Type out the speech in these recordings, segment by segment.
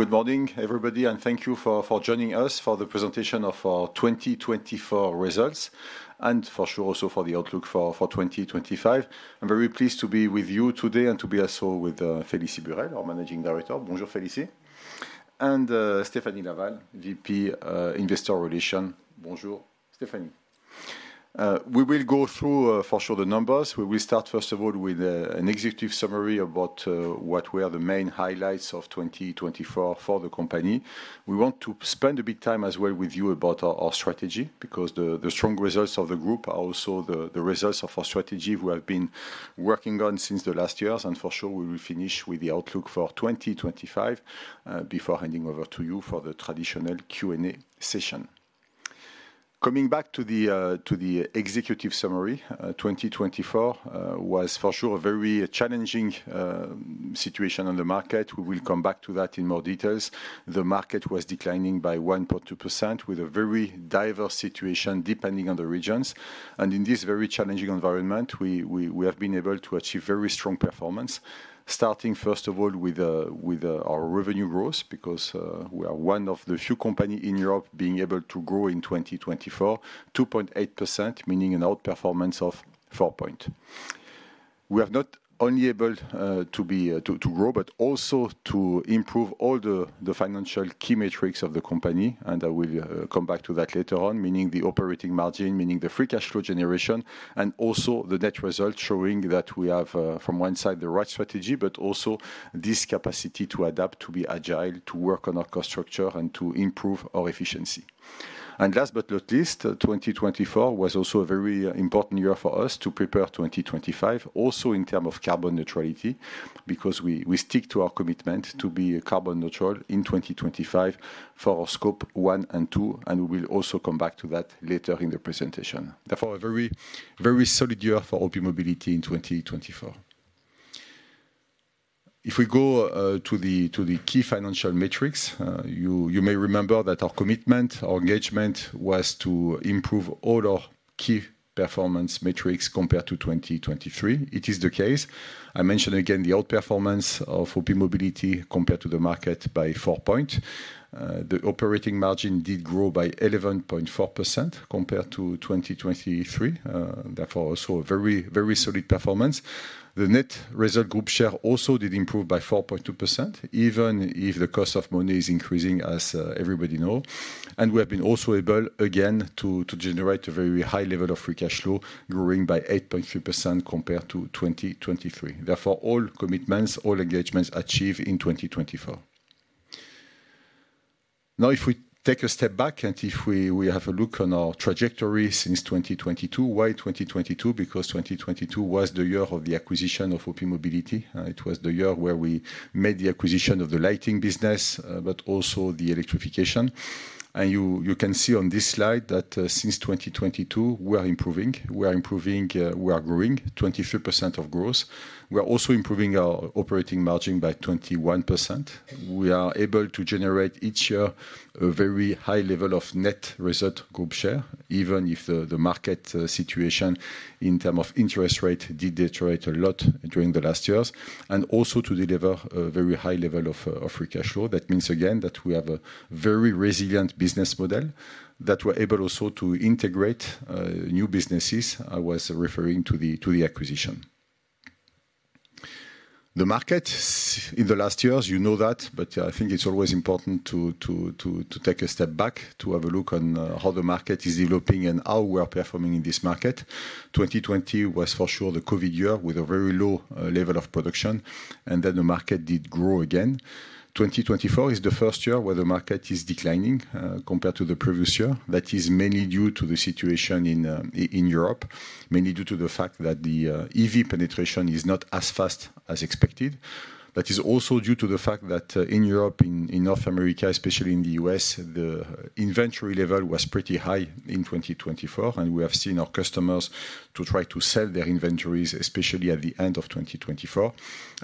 Good morning, everybody, and thank you for joining us for the presentation of 2024 results, and for sure also for the outlook for 2025. I'm very pleased to be with you today and to be also with Félicie Burelle, our Managing Director. Bonjour, Félicie. And Stéphanie Laval, VP Investor Relations. Bonjour, Stéphanie. We will go through, for sure, the numbers. We will start, first of all, with an executive summary about what were the main highlights of 2024 for the company. We want to spend a bit of time as well with you about our strategy, because the strong results of the group are also the results of our strategy we have been working on since the last years. And for sure, we will finish with the outlook for 2025 before handing over to you for the traditional Q&A session. Coming back to the executive summary, 2024 was for sure a very challenging situation on the market. We will come back to that in more detail. The market was declining by 1.2%, with a very diverse situation depending on the regions. In this very challenging environment, we have been able to achieve very strong performance, starting first of all with our revenue growth, because we are one of the few companies in Europe being able to grow in 2024, 2.8%, meaning an outperformance of 4 points. We have not only been able to grow, but also to improve all the financial key metrics of the company, and I will come back to that later on, meaning the operating margin, meaning the free cash flow generation, and also the net result showing that we have, from one side, the right strategy, but also this capacity to adapt, to be agile, to work on our cost structure, and to improve our efficiency. And last but not least, 2024 was also a very important year for us to prepare 2025, also in terms of carbon neutrality, because we stick to our commitment to be carbon neutral in 2025 for our Scope 1 and 2, and we will also come back to that later in the presentation. Therefore, a very solid year for OPmobility in 2024. If we go to the key financial metrics, you may remember that our commitment, our engagement, was to improve all our key performance metrics compared to 2023. It is the case. I mentioned again the outperformance of OPmobility compared to the market by 4 points. The operating margin did grow by 11.4% compared to 2023. Therefore, also a very solid performance. The net result group share also did improve by 4.2%, even if the cost of money is increasing, as everybody knows. And we have been also able, again, to generate a very high level of free cash flow, growing by 8.3% compared to 2023. Therefore, all commitments, all engagements achieved in 2024. Now, if we take a step back and if we have a look on our trajectory since 2022, why 2022? Because 2022 was the year of the acquisition of OPmobility. It was the year where we made the acquisition of the Lighting business, but also the electrification, and you can see on this slide that since 2022, we are improving. We are improving. We are growing 23% of growth. We are also improving our operating margin by 21%. We are able to generate each year a very high level of net result group share, even if the market situation in terms of interest rate did deteriorate a lot during the last years, and also to deliver a very high level of free cash flow. That means, again, that we have a very resilient business model that we are able also to integrate new businesses. I was referring to the acquisition. The market in the last years, you know that, but I think it's always important to take a step back to have a look on how the market is developing and how we are performing in this market. 2020 was for sure the COVID year with a very low level of production, and then the market did grow again. 2024 is the first year where the market is declining compared to the previous year. That is mainly due to the situation in Europe, mainly due to the fact that the EV penetration is not as fast as expected. That is also due to the fact that in Europe, in North America, especially in the U.S., the inventory level was pretty high in 2024, and we have seen our customers try to sell their inventories, especially at the end of 2024.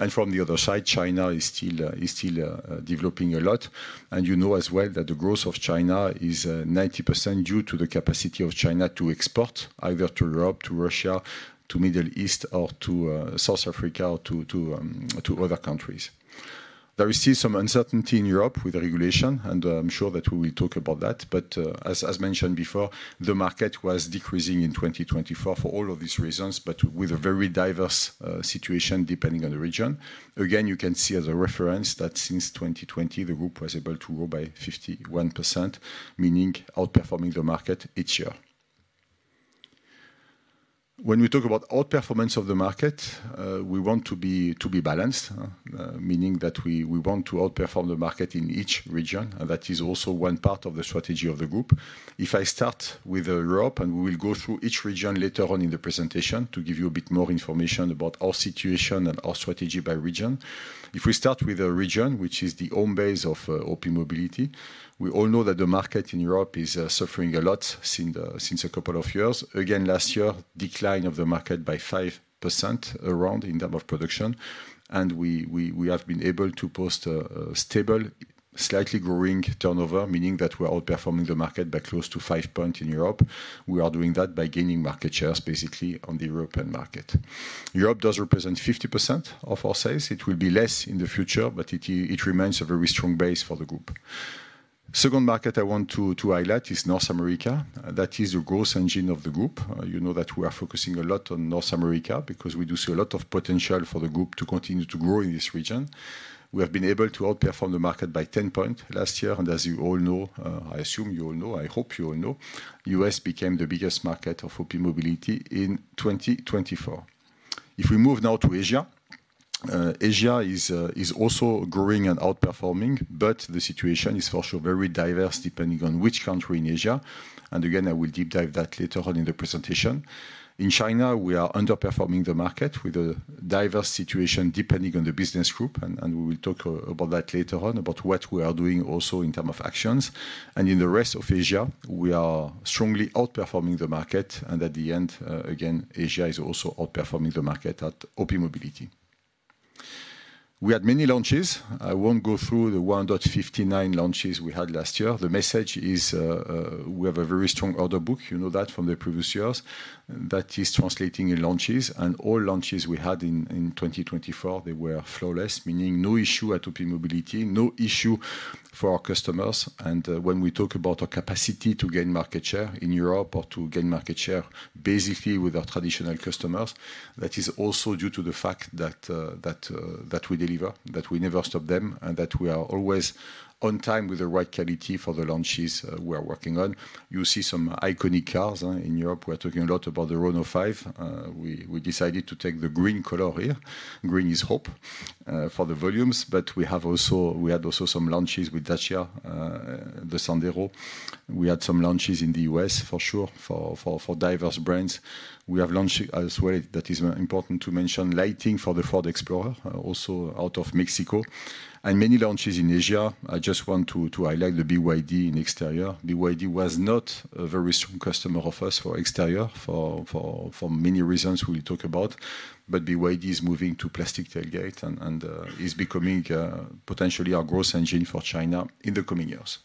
From the other side, China is still developing a lot. And you know as well that the growth of China is 90% due to the capacity of China to export either to Europe, to Russia, to the Middle East, or to South Africa, or to other countries. There is still some uncertainty in Europe with regulation, and I'm sure that we will talk about that. As mentioned before, the market was decreasing in 2024 for all of these reasons, but with a very diverse situation depending on the region. Again, you can see as a reference that since 2020, the group was able to grow by 51%, meaning outperforming the market each year. When we talk about outperformance of the market, we want to be balanced, meaning that we want to outperform the market in each region. That is also one part of the strategy of the group. If I start with Europe, and we will go through each region later on in the presentation to give you a bit more information about our situation and our strategy by region. If we start with a region, which is the home base of OPmobility, we all know that the market in Europe is suffering a lot since a couple of years. Again, last year, a decline of the market by 5% around in terms of production, and we have been able to post a stable, slightly growing turnover, meaning that we are outperforming the market by close to five points in Europe. We are doing that by gaining market shares, basically, on the European market. Europe does represent 50% of our sales. It will be less in the future, but it remains a very strong base for the group. The second market I want to highlight is North America. That is the growth engine of the group. You know that we are focusing a lot on North America because we do see a lot of potential for the group to continue to grow in this region. We have been able to outperform the market by 10 points last year. And as you all know, I assume you all know, I hope you all know, the U.S. became the biggest market of OPmobility in 2024. If we move now to Asia, Asia is also growing and outperforming, but the situation is for sure very diverse depending on which country in Asia. And again, I will deep dive that later on in the presentation. In China, we are underperforming the market with a diverse situation depending on the business group. And we will talk about that later on, about what we are doing also in terms of actions. In the rest of Asia, we are strongly outperforming the market. At the end, again, Asia is also outperforming the market at OPmobility. We had many launches. I won't go through the 159 launches we had last year. The message is we have a very strong order book. You know that from the previous years. That is translating in launches. All launches we had in 2024, they were flawless, meaning no issue at OPmobility, no issue for our customers. When we talk about our capacity to gain market share in Europe or to gain market share basically with our traditional customers, that is also due to the fact that we deliver, that we never stop them, and that we are always on time with the right quality for the launches we are working on. You see some iconic cars in Europe. We are talking a lot about the Renault 5. We decided to take the green color here. Green is hope for the volumes. But we had also some launches with Dacia, the Sandero. We had some launches in the U.S., for sure, for diverse brands. We have launched as well, that is important to mention, Lighting for the Ford Explorer, also out of Mexico, and many launches in Asia. I just want to highlight the BYD in Exterior. BYD was not a very strong customer of us for Exterior for many reasons we'll talk about. But BYD is moving to plastic tailgate and is becoming potentially our growth engine for China in the coming years.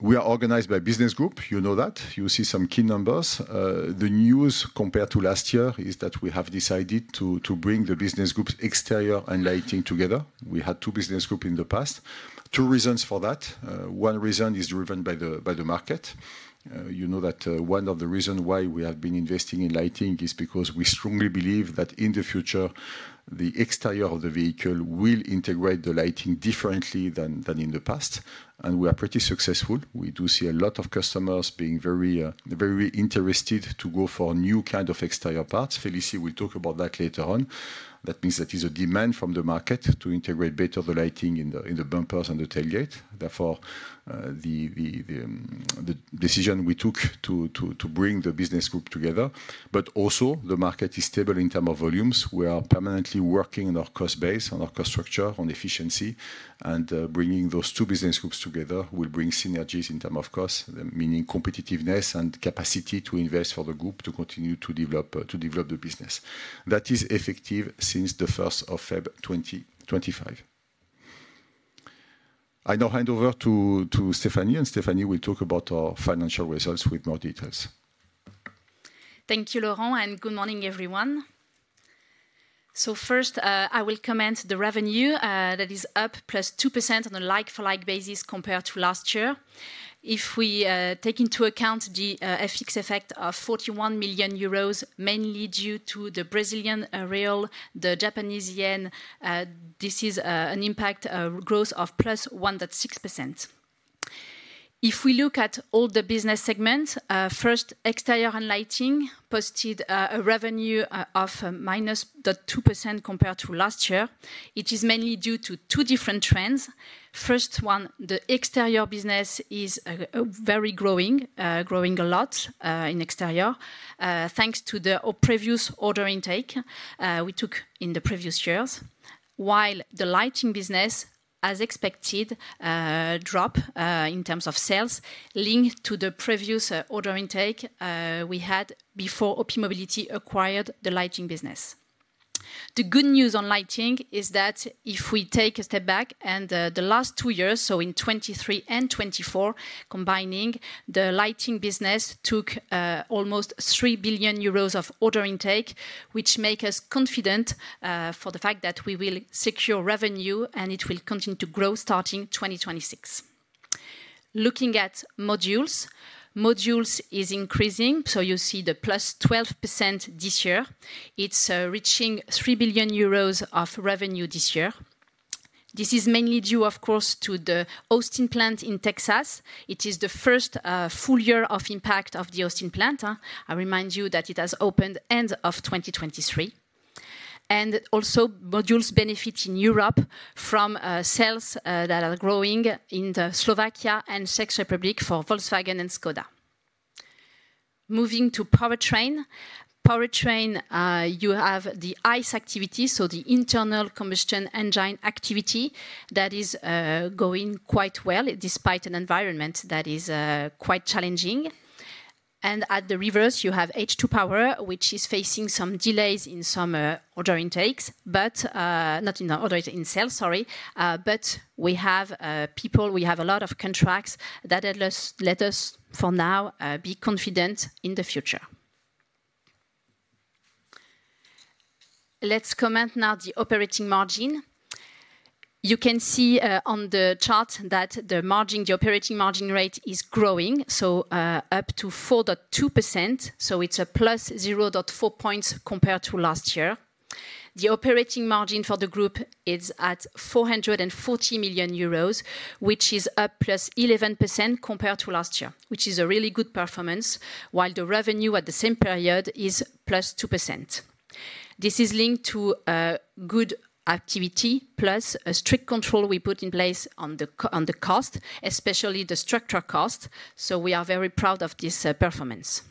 We are organized by business group. You know that. You see some key numbers. The news compared to last year is that we have decided to bring the business groups, Exterior and Lighting, together. We had two business groups in the past. Two reasons for that. One reason is driven by the market. You know that one of the reasons why we have been investing in Lighting is because we strongly believe that in the future, the Exterior of the vehicle will integrate the Lighting differently than in the past and we are pretty successful. We do see a lot of customers being very interested to go for new kinds of Exterior parts. Félicie will talk about that later on. That means that is a demand from the market to integrate better the Lighting in the bumpers and the tailgate. Therefore, the decision we took to bring the business group together but also, the market is stable in terms of volumes. We are permanently working on our cost base, on our cost structure, on efficiency, and bringing those two business groups together will bring synergies in terms of cost, meaning competitiveness and capacity to invest for the group to continue to develop the business. That is effective since the 1st of February 2025. I now hand over to Stéphanie, and Stéphanie will talk about our financial results with more details. Thank you, Laurent, and good morning, everyone. So first, I will comment on the revenue. That is up plus 2% on a like-for-like basis compared to last year. If we take into account the FX effect of 41 million euros, mainly due to the Brazilian real, the Japanese yen, this is an impact growth of plus 1.6%. If we look at all the business segments, first, Exterior and Lighting posted a revenue of minus 2% compared to last year. It is mainly due to two different trends. First one, the Exterior Business is very growing, growing a lot in Exterior, thanks to the previous order intake we took in the previous years, while the Lighting business, as expected, dropped in terms of sales, linked to the previous order intake we had before OPmobility acquired the Lighting Business. The good news on Lighting is that if we take a step back, and the last two years, so in 2023 and 2024, combining, the Lighting business took almost 3 billion euros of order intake, which makes us confident for the fact that we will secure revenue and it will continue to grow starting 2026. Looking at Modules, Modules is increasing. So you see the plus 12% this year. It's reaching 3 billion euros of revenue this year. This is mainly due, of course, to the Austin plant in Texas. It is the first full year of impact of the Austin plant. I remind you that it has opened at the end of 2023, and also, Modules benefit in Europe from sales that are growing in Slovakia and Czech Republic for Volkswagen and Skoda. Moving to Powertrain, you have the ICE activity, so the internal combustion engine activity that is going quite well despite an environment that is quite challenging. At the reverse, you have H2-Power, which is facing some delays in some order intakes, but not in order in sales, sorry. But we have people, we have a lot of contracts that let us, for now, be confident in the future. Let's comment now on the operating margin. You can see on the chart that the margin, the operating margin rate is growing, so up to 4.2%. So it's a plus 0.4 points compared to last year. The operating margin for the group is at 440 million euros, which is up plus 11% compared to last year, which is a really good performance, while the revenue at the same period is plus 2%. This is linked to good activity, plus a strict control we put in place on the cost, especially the structure cost. So we are very proud of this performance.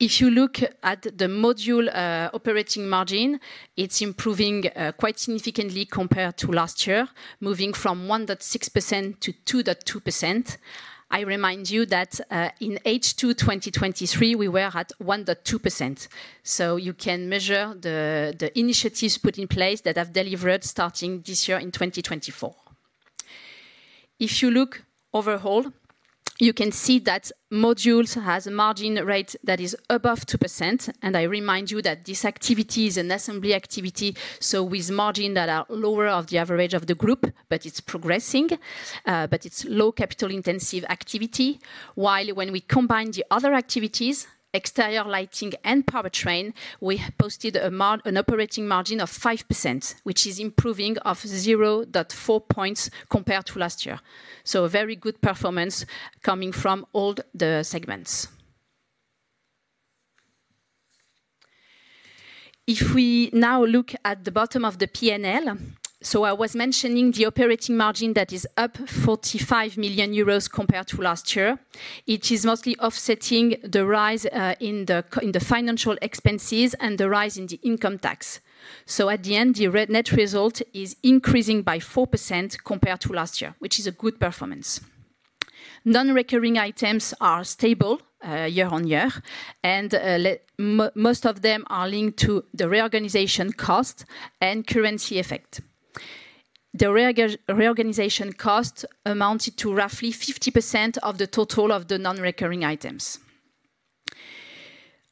If you look at the module operating margin, it's improving quite significantly compared to last year, moving from 1.6% to 2.2%. I remind you that in H2 2023, we were at 1.2%. So you can measure the initiatives put in place that have delivered starting this year in 2024. If you look overall, you can see that Modules has a margin rate that is above 2%. And I remind you that this activity is an assembly activity, so with margins that are lower of the average of the group, but it's progressing, but it's low capital-intensive activity. While when we combine the other activities, Exterior Lighting and Powertrain, we posted an operating margin of 5%, which is improving of 0.4 points compared to last year. So a very good performance coming from all the segments. If we now look at the bottom of the P&L, so I was mentioning the operating margin that is up 45 million euros compared to last year. It is mostly offsetting the rise in the financial expenses and the rise in the income tax. So at the end, the net result is increasing by 4% compared to last year, which is a good performance. Non-recurring items are stable year on year, and most of them are linked to the reorganization cost and currency effect. The reorganization cost amounted to roughly 50% of the total of the non-recurring items.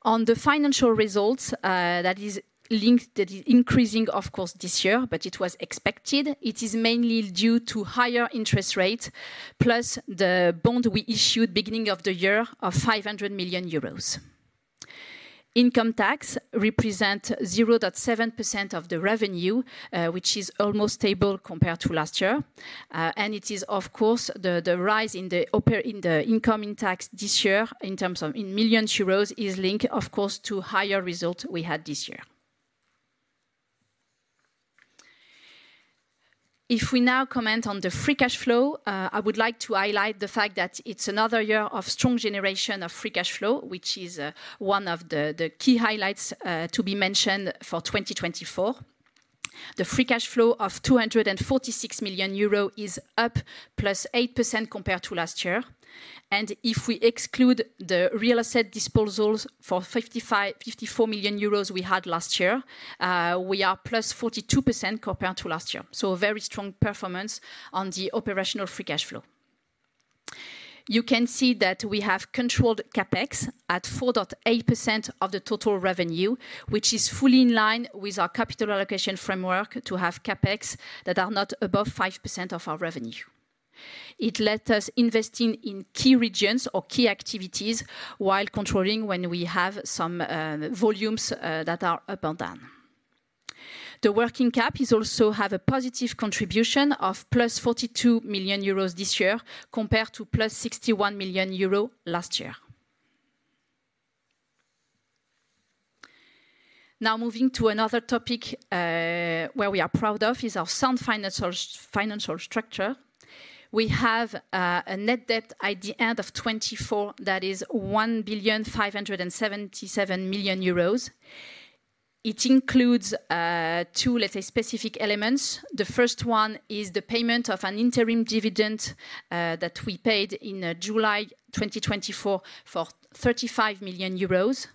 On the financial results, that is linked, that is increasing, of course, this year, but it was expected. It is mainly due to higher interest rates, plus the bond we issued beginning of the year of 500 million euros. Income tax represents 0.7% of the revenue, which is almost stable compared to last year. It is, of course, the rise in the income tax this year in terms of million euros is linked, of course, to higher results we had this year. If we now comment on the free cash flow, I would like to highlight the fact that it's another year of strong generation of free cash flow, which is one of the key highlights to be mentioned for 2024. The free cash flow of 246 million euro is up plus 8% compared to last year. If we exclude the real estate disposals for 54 million euros we had last year, we are plus 42% compared to last year. So a very strong performance on the operational free cash flow. You can see that we have controlled CapEx at 4.8% of the total revenue, which is fully in line with our capital allocation framework to have CapEx that are not above 5% of our revenue. It lets us invest in key regions or key activities while controlling when we have some volumes that are up and down. The working cap also has a positive contribution of plus 42 million euros this year compared to plus 61 million euros last year. Now moving to another topic where we are proud of is our sound financial structure. We have a net debt at the end of 2024 that is 1.58 billion. It includes two, let's say, specific elements. The first one is the payment of an interim dividend that we paid in July 2024 for 35 million euros.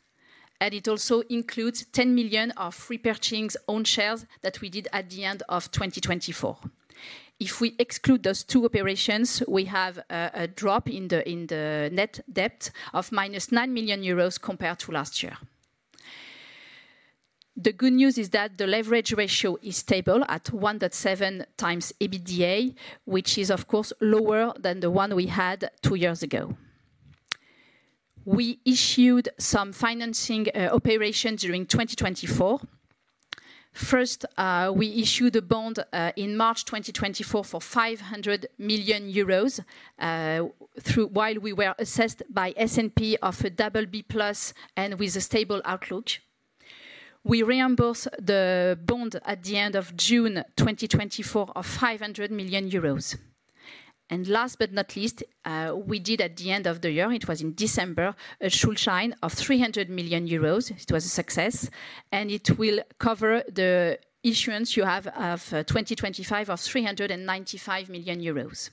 It also includes 10 million for the purchase of own shares that we did at the end of 2024. If we exclude those two operations, we have a drop in the net debt of minus 9 million euros compared to last year. The good news is that the leverage ratio is stable at 1.7 times EBITDA, which is, of course, lower than the one we had two years ago. We issued some financing operations during 2024. First, we issued a bond in March 2024 for 500 million euros while we were assessed by S&P of a double B plus and with a stable outlook. We reimbursed the bond at the end of June 2024 of 500 million euros. Last but not least, we did at the end of the year. It was in December, a Schuldschein of 300 million euros. It was a success. And it will cover the issuance due in 2025 of 395 million euros.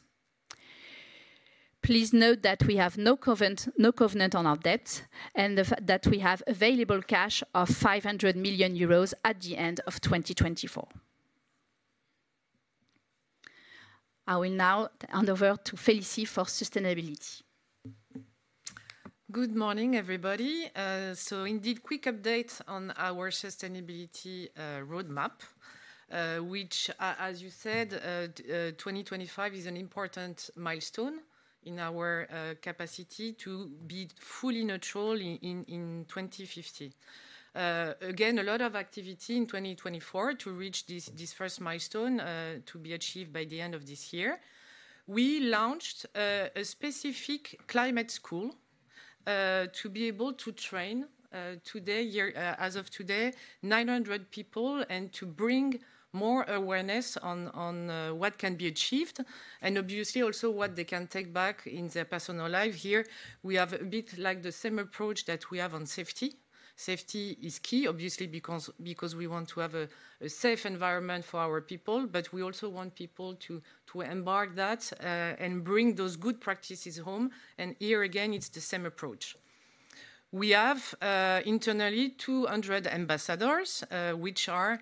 Please note that we have no covenant on our debt and that we have available cash of 500 million euros at the end of 2024. I will now hand over to Félicie for sustainability. Good morning, everybody. So indeed, quick update on our sustainability roadmap, which, as you said, 2025 is an important milestone in our capacity to be fully neutral in 2050. Again, a lot of activity in 2024 to reach this first milestone to be achieved by the end of this year. We launched a specific climate school to be able to train today, as of today, 900 people and to bring more awareness on what can be achieved and obviously also what they can take back in their personal life. Here we have a bit like the same approach that we have on safety. Safety is key, obviously, because we want to have a safe environment for our people, but we also want people to embark that and bring those good practices home. And here again, it's the same approach. We have internally 200 ambassadors, which are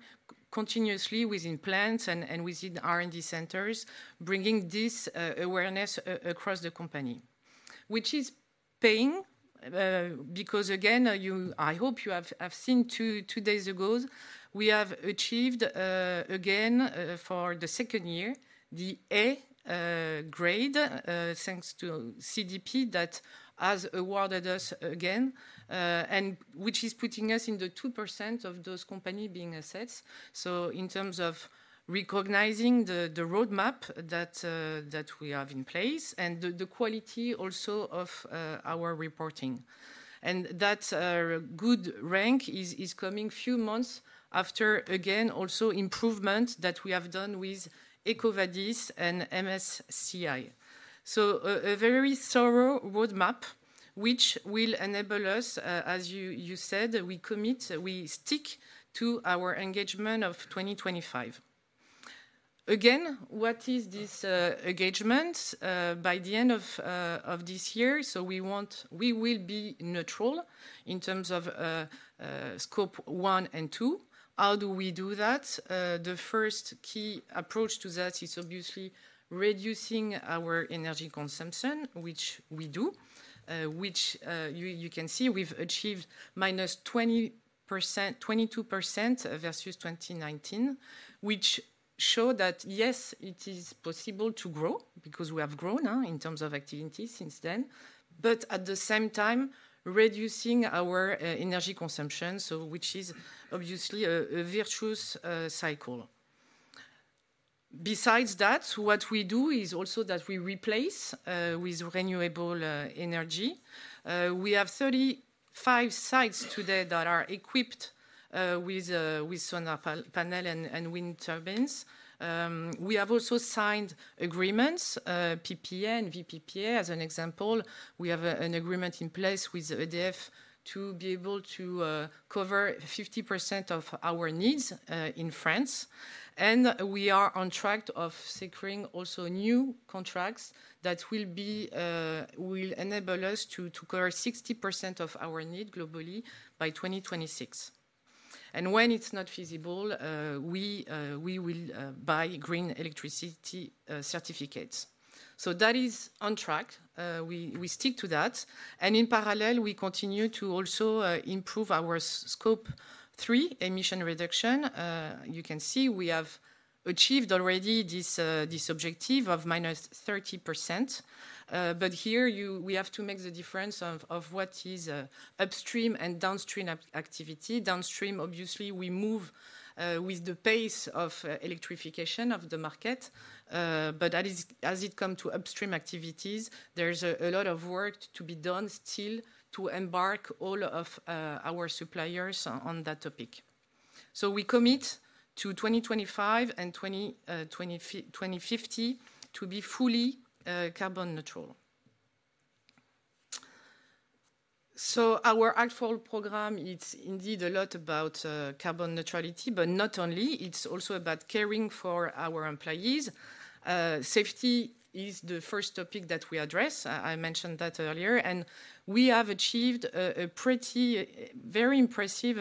continuously within plants and within R&D centers, bringing this awareness across the company, which is paying because, again, I hope you have seen two days ago, we have achieved again for the second year the A grade, thanks to CDP that has awarded us again, and which is putting us in the 2% of those companies being assessed, so in terms of recognizing the roadmap that we have in place and the quality also of our reporting, and that good rank is coming a few months after, again, also improvements that we have done with EcoVadis and MSCI, so a very thorough roadmap, which will enable us, as you said, we commit, we stick to our engagement of 2025. Again, what is this engagement by the end of this year, so we will be neutral in terms of Scope 1 and 2. How do we do that? The first key approach to that is obviously reducing our energy consumption, which we do, which you can see we've achieved minus 20%-22% versus 2019, which showed that yes, it is possible to grow because we have grown in terms of activity since then, but at the same time reducing our energy consumption, which is obviously a virtuous cycle. Besides that, what we do is also that we replace with renewable energy. We have 35 sites today that are equipped with solar panels and wind turbines. We have also signed agreements, PPA and VPPA as an example. We have an agreement in place with EDF to be able to cover 50% of our needs in France, and we are on track of securing also new contracts that will enable us to cover 60% of our needs globally by 2026. When it's not feasible, we will buy green electricity certificates. That is on track. We stick to that. In parallel, we continue to also improve our Scope 3 emission reduction. You can see we have achieved already this objective of -30%. Here we have to make the difference of what is upstream and downstream activity. Downstream, obviously, we move with the pace of electrification of the market. As it comes to upstream activities, there's a lot of work to be done still to embark all of our suppliers on that topic. We commit to 2025 and 2050 to be fully carbon neutral. Our ACT FOR ALL program, it's indeed a lot about carbon neutrality, but not only. It's also about caring for our employees. Safety is the first topic that we address. I mentioned that earlier. We have achieved a pretty very impressive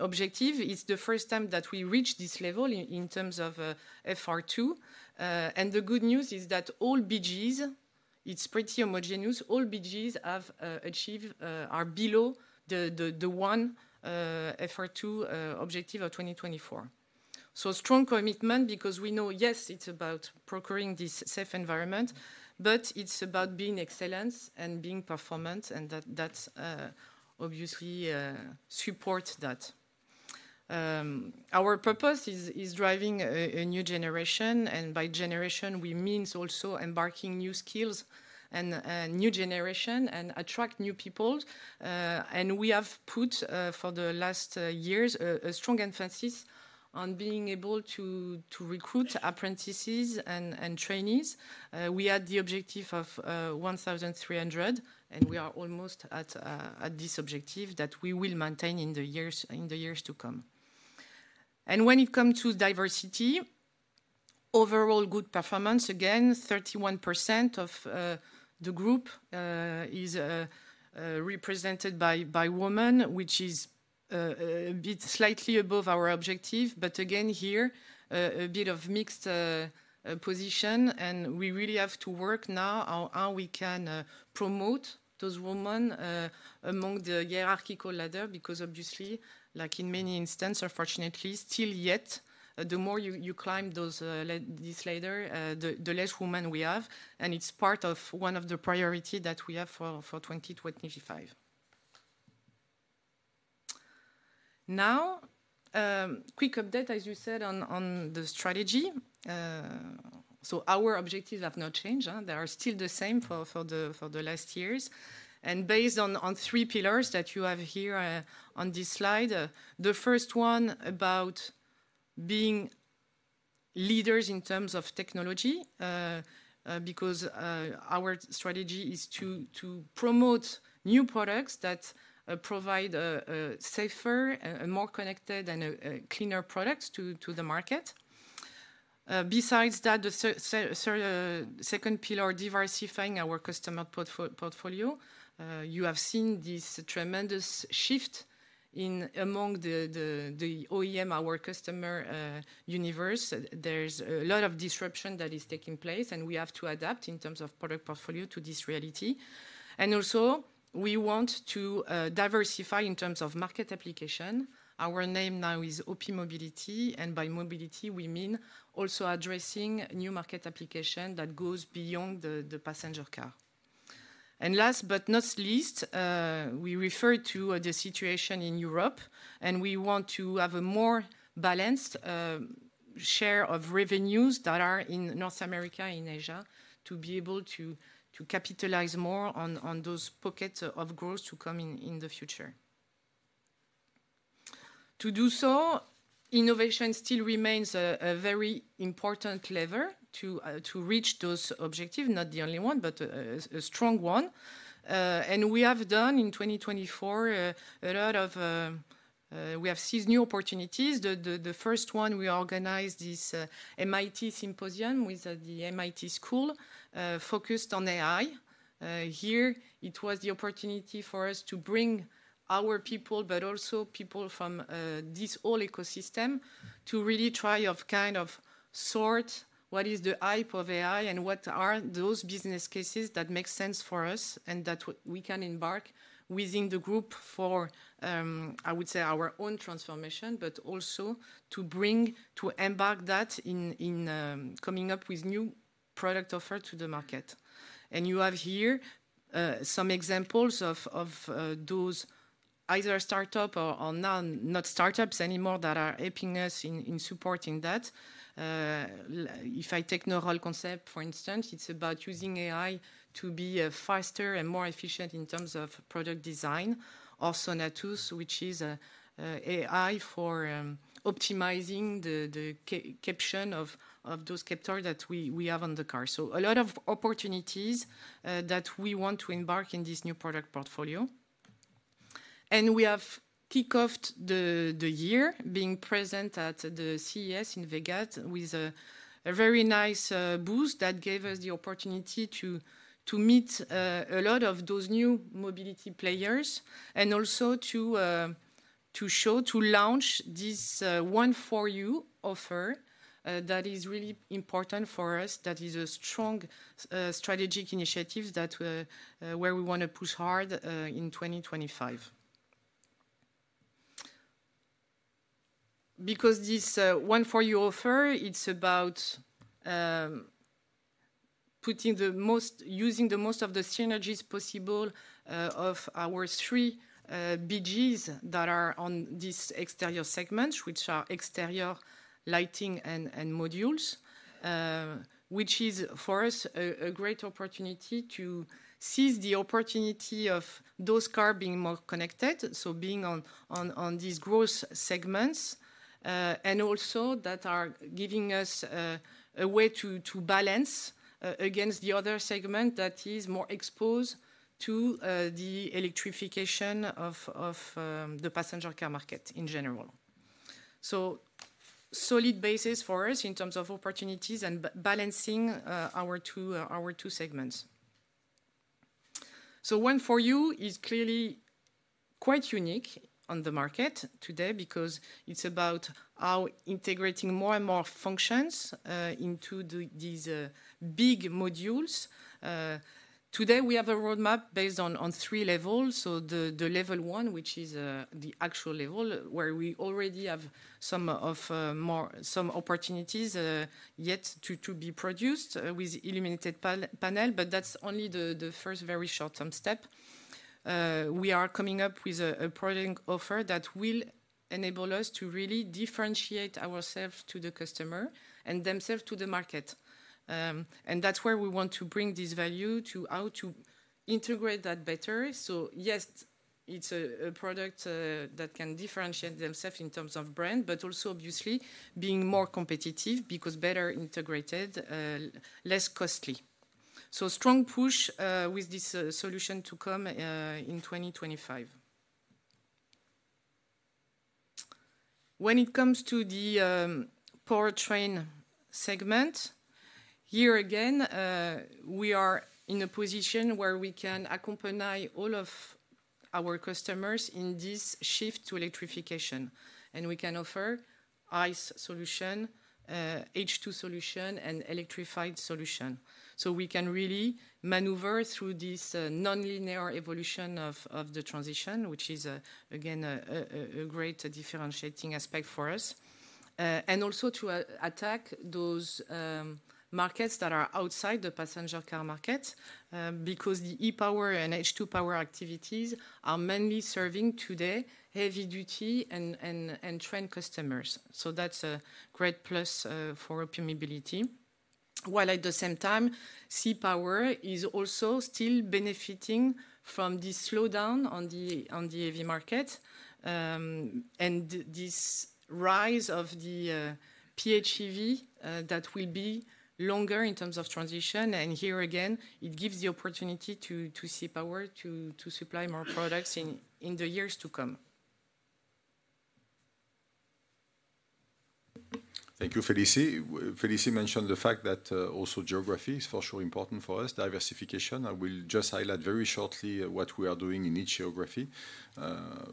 objective. It's the first time that we reached this level in terms of FR2. And the good news is that all BGs, it's pretty homogenous. All BGs have achieved are below the one FR2 objective of 2024. So strong commitment because we know, yes, it's about procuring this safe environment, but it's about being excellent and being performant. And that obviously supports that. Our purpose is driving a new generation. And by generation, we mean also embarking new skills and new generation and attract new people. And we have put for the last years a strong emphasis on being able to recruit apprentices and trainees. We had the objective of 1,300, and we are almost at this objective that we will maintain in the years to come. When it comes to diversity, overall good performance, again, 31% of the group is represented by women, which is a bit slightly above our objective. But again, here, a bit of mixed position. We really have to work now on how we can promote those women among the hierarchical ladder because obviously, like in many instances, unfortunately, still yet, the more you climb this ladder, the less women we have. It's part of one of the priorities that we have for 2025. Now, quick update, as you said, on the strategy. Our objectives have not changed. They are still the same for the last years. Based on three pillars that you have here on this slide, the first one about being leaders in terms of technology because our strategy is to promote new products that provide safer, more connected, and cleaner products to the market. Besides that, the second pillar, diversifying our customer portfolio. You have seen this tremendous shift among the OEM, our customer universe. There's a lot of disruption that is taking place, and we have to adapt in terms of product portfolio to this reality. And also, we want to diversify in terms of market application. Our name now is OPmobility. And by mobility, we mean also addressing new market application that goes beyond the passenger car. And last but not least, we refer to the situation in Europe, and we want to have a more balanced share of revenues that are in North America, in Asia, to be able to capitalize more on those pockets of growth to come in the future. To do so, innovation still remains a very important lever to reach those objectives, not the only one, but a strong one. And we have done in 2024 a lot. We have seen new opportunities. The first one, we organized this MIT symposium with the MIT School focused on AI. Here, it was the opportunity for us to bring our people, but also people from this whole ecosystem to really try to kind of sort what is the hype of AI and what are those business cases that make sense for us and that we can embark within the group for, I would say, our own transformation, but also to embark that in coming up with new product offers to the market. And you have here some examples of those either startup or not startups anymore that are helping us in supporting that. If I take Neural Concept, for instance, it's about using AI to be faster and more efficient in terms of product design. Also, Natus, which is AI for optimizing the position of those actuators that we have on the car, so a lot of opportunities that we want to embark in this new product portfolio, and we have kicked off the year being present at the CES in Vegas with a very nice booth that gave us the opportunity to meet a lot of those new mobility players and also to show, to launch this One4you offer that is really important for us, that is a strong strategic initiative where we want to push hard in 2025. Because this One4you offer, it's about using the most of the synergies possible of our three BGs that are on this Exterior segment, which are Exterior, Lighting, and Modules, which is for us a great opportunity to seize the opportunity of those cars being more connected, so being on these growth segments and also that are giving us a way to balance against the other segment that is more exposed to the electrification of the passenger car market in general. So solid basis for us in terms of opportunities and balancing our two segments. So One4you is clearly quite unique on the market today because it's about how integrating more and more functions into these big Modules. Today, we have a roadmap based on three levels. The level one, which is the actual level where we already have some opportunities yet to be produced with illuminated panel, but that's only the first very short-term step. We are coming up with a product offer that will enable us to really differentiate ourselves to the customer and themselves to the market. And that's where we want to bring this value to how to integrate that better. So yes, it's a product that can differentiate themselves in terms of brand, but also obviously being more competitive because better integrated, less costly. So strong push with this solution to come in 2025. When it comes to the Powertrain segment, here again, we are in a position where we can accompany all of our customers in this shift to electrification. And we can offer ICE solution, H2 solution, and electrified solution. So we can really maneuver through this non-linear evolution of the transition, which is again a great differentiating aspect for us. And also to attack those markets that are outside the passenger car market because the E-Power and H2-Power activities are mainly serving today heavy-duty and train customers. So that's a great plus for OPmobility. While at the same time, C-Power is also still benefiting from the slowdown on the heavy market and this rise of the PHEV that will be longer in terms of transition. And here again, it gives the opportunity to C-Power to supply more products in the years to come. Thank you, Félicie. Félicie mentioned the fact that also geography is for sure important for us, diversification. I will just highlight very shortly what we are doing in each geography.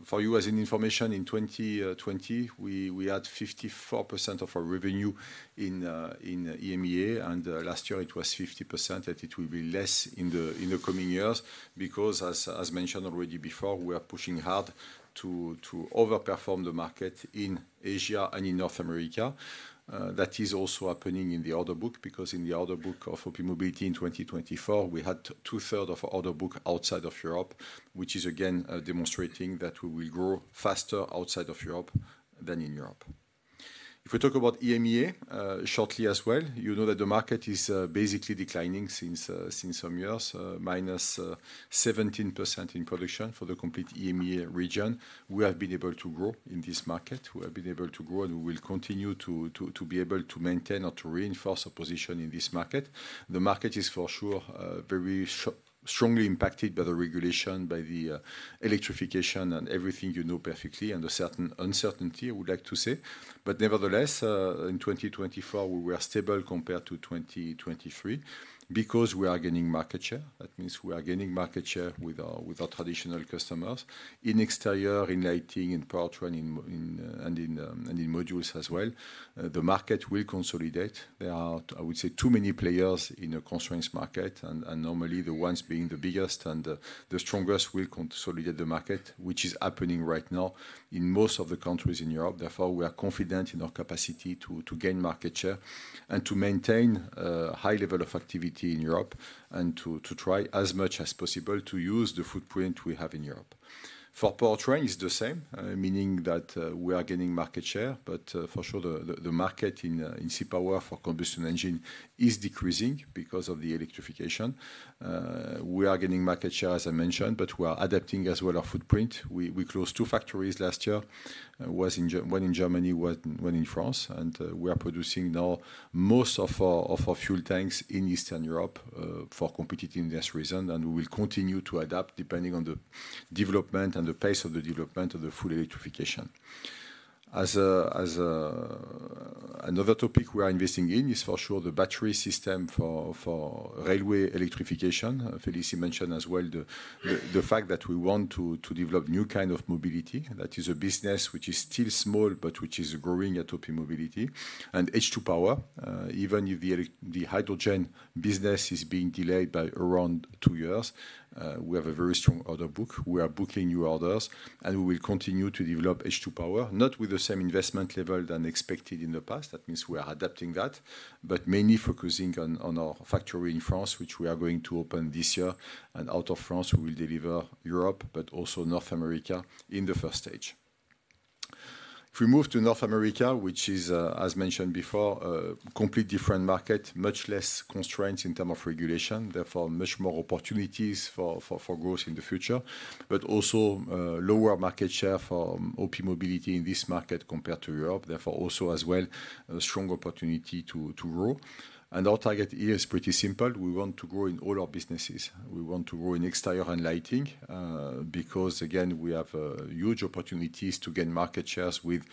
For you, as an information, in 2020, we had 54% of our revenue in EMEA, and last year it was 50%, and it will be less in the coming years because, as mentioned already before, we are pushing hard to overperform the market in Asia and in North America. That is also happening in the order book because in the order book of OPmobility in 2024, we had two-thirds of the order book outside of Europe, which is again demonstrating that we will grow faster outside of Europe than in Europe. If we talk about EMEA shortly as well, you know that the market is basically declining since some years, -17% in production for the complete EMEA region. We have been able to grow in this market. We have been able to grow and we will continue to be able to maintain or to reinforce our position in this market. The market is for sure very strongly impacted by the regulation, by the electrification and everything you know perfectly and the certain uncertainty I would like to say. But nevertheless, in 2024, we were stable compared to 2023 because we are gaining market share. That means we are gaining market share with our traditional customers in Exterior, in Lighting, in Powertrain, and in Modules as well. The market will consolidate. There are, I would say, too many players in a constraints market, and normally the ones being the biggest and the strongest will consolidate the market, which is happening right now in most of the countries in Europe. Therefore, we are confident in our capacity to gain market share and to maintain a high level of activity in Europe and to try as much as possible to use the footprint we have in Europe. For Powertrain, it's the same, meaning that we are gaining market share, but for sure, the market in C-Power for combustion engine is decreasing because of the electrification. We are gaining market share, as I mentioned, but we are adapting as well our footprint. We closed two factories last year, one in Germany, one in France, and we are producing now most of our fuel tanks in Eastern Europe for competitive reasons, and we will continue to adapt depending on the development and the pace of the development of the full electrification. Another topic we are investing in is for sure the battery system for railway electrification. Félicie mentioned as well the fact that we want to develop new kind of mobility. That is a business which is still small, but which is growing at OPmobility. And H2 power, even if the hydrogen business is being delayed by around two years, we have a very strong order book. We are booking new orders, and we will continue to develop H2 power, not with the same investment level than expected in the past. That means we are adapting that, but mainly focusing on our factory in France, which we are going to open this year. And out of France, we will deliver Europe, but also North America in the first stage. If we move to North America, which is, as mentioned before, a completely different market, much less constraints in terms of regulation, therefore much more opportunities for growth in the future, but also lower market share for OPmobility in this market compared to Europe. Therefore also as well, a strong opportunity to grow. And our target here is pretty simple. We want to grow in all our businesses. We want to grow in Exterior and Lighting because, again, we have huge opportunities to gain market shares with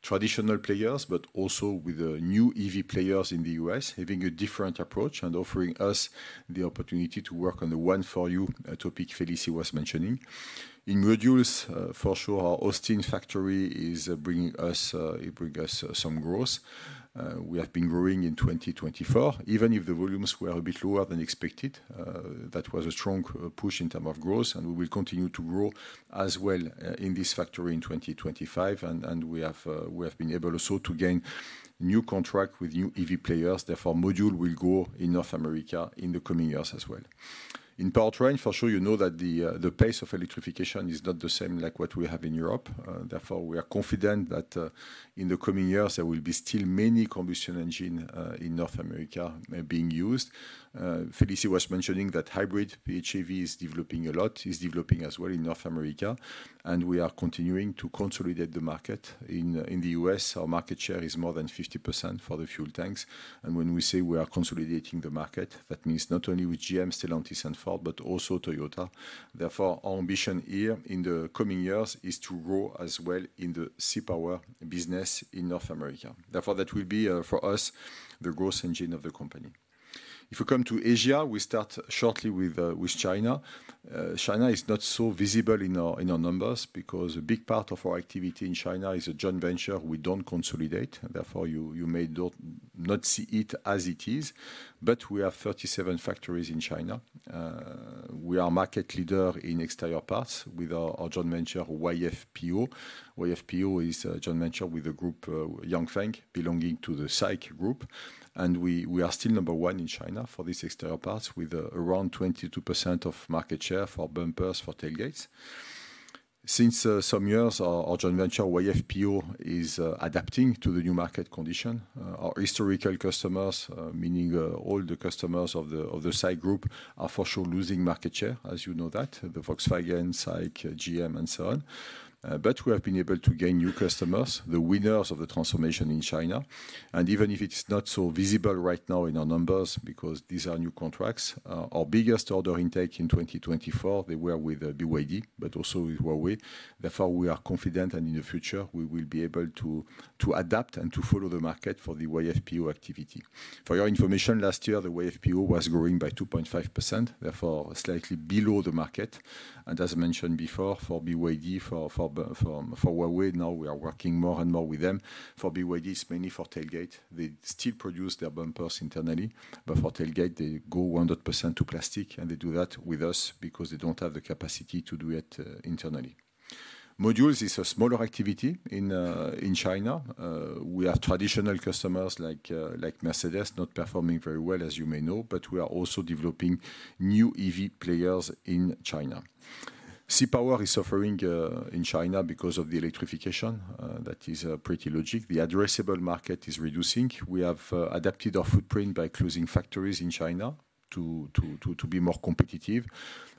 traditional players, but also with new EV players in the U.S., having a different approach and offering us the opportunity to work on the One4you topic Félicie was mentioning. In Modules, for sure, our Austin factory is bringing us some growth. We have been growing in 2024, even if the volumes were a bit lower than expected. That was a strong push in terms of growth, and we will continue to grow as well in this factory in 2025, and we have been able also to gain new contracts with new EV players. Therefore, module will grow in North America in the coming years as well. In Powertrain, for sure, you know that the pace of electrification is not the same like what we have in Europe. Therefore, we are confident that in the coming years, there will be still many combustion engines in North America being used. Félicie was mentioning that hybrid PHEV is developing a lot, is developing as well in North America, and we are continuing to consolidate the market. In the U.S., our market share is more than 50% for the fuel tanks. When we say we are consolidating the market, that means not only with GM, Stellantis, and Ford, but also Toyota. Therefore, our ambition here in the coming years is to grow as well in the C-Power business in North America. Therefore, that will be for us the growth engine of the company. If we come to Asia, we start shortly with China. China is not so visible in our numbers because a big part of our activity in China is a joint venture we don't consolidate. Therefore, you may not see it as it is, but we have 37 factories in China. We are a market leader in Exterior parts with our joint venture, YFPO. YFPO is a joint venture with the group Yanfeng belonging to the SAIC group. We are still number one in China for these Exterior parts with around 22% of market share for bumpers, for tailgates. Since some years, our joint venture, YFPO, is adapting to the new market condition. Our historical customers, meaning all the customers of the SAIC group, are for sure losing market share, as you know that, the Volkswagen, SAIC, GM, and so on. But we have been able to gain new customers, the winners of the transformation in China. And even if it's not so visible right now in our numbers because these are new contracts, our biggest order intake in 2024. They were with BYD, but also with Huawei. Therefore, we are confident and in the future, we will be able to adapt and to follow the market for the YFPO activity. For your information, last year, the YFPO was growing by 2.5%, therefore slightly below the market. And as mentioned before, for BYD, for Huawei, now we are working more and more with them. For BYD, it's mainly for tailgate. They still produce their bumpers internally, but for tailgate, they go 100% to plastic, and they do that with us because they don't have the capacity to do it internally. Modules is a smaller activity in China. We have traditional customers like Mercedes not performing very well, as you may know, but we are also developing new EV players in China. C-Power is suffering in China because of the electrification. That is pretty logical. The addressable market is reducing. We have adapted our footprint by closing factories in China to be more competitive.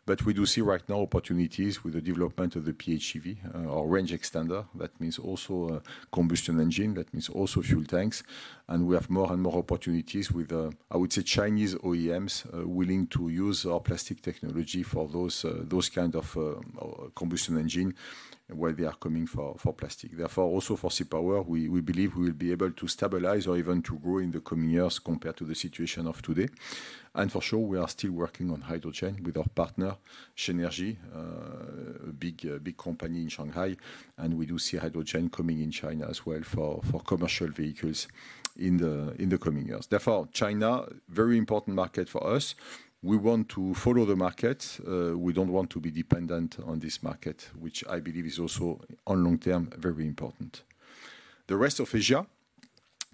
But we do see right now opportunities with the development of the PHEV, our range extender. That means also a combustion engine. That means also fuel tanks. And we have more and more opportunities with, I would say, Chinese OEMs willing to use our plastic technology for those kinds of combustion engines where they are coming for plastic. Therefore, also for C-Power, we believe we will be able to stabilize or even to grow in the coming years compared to the situation of today. And for sure, we are still working on hydrogen with our partner, Shenergy Group, a big company in Shanghai. And we do see hydrogen coming in China as well for commercial vehicles in the coming years. Therefore, China, very important market for us. We want to follow the market. We don't want to be dependent on this market, which I believe is also on long term very important. The rest of Asia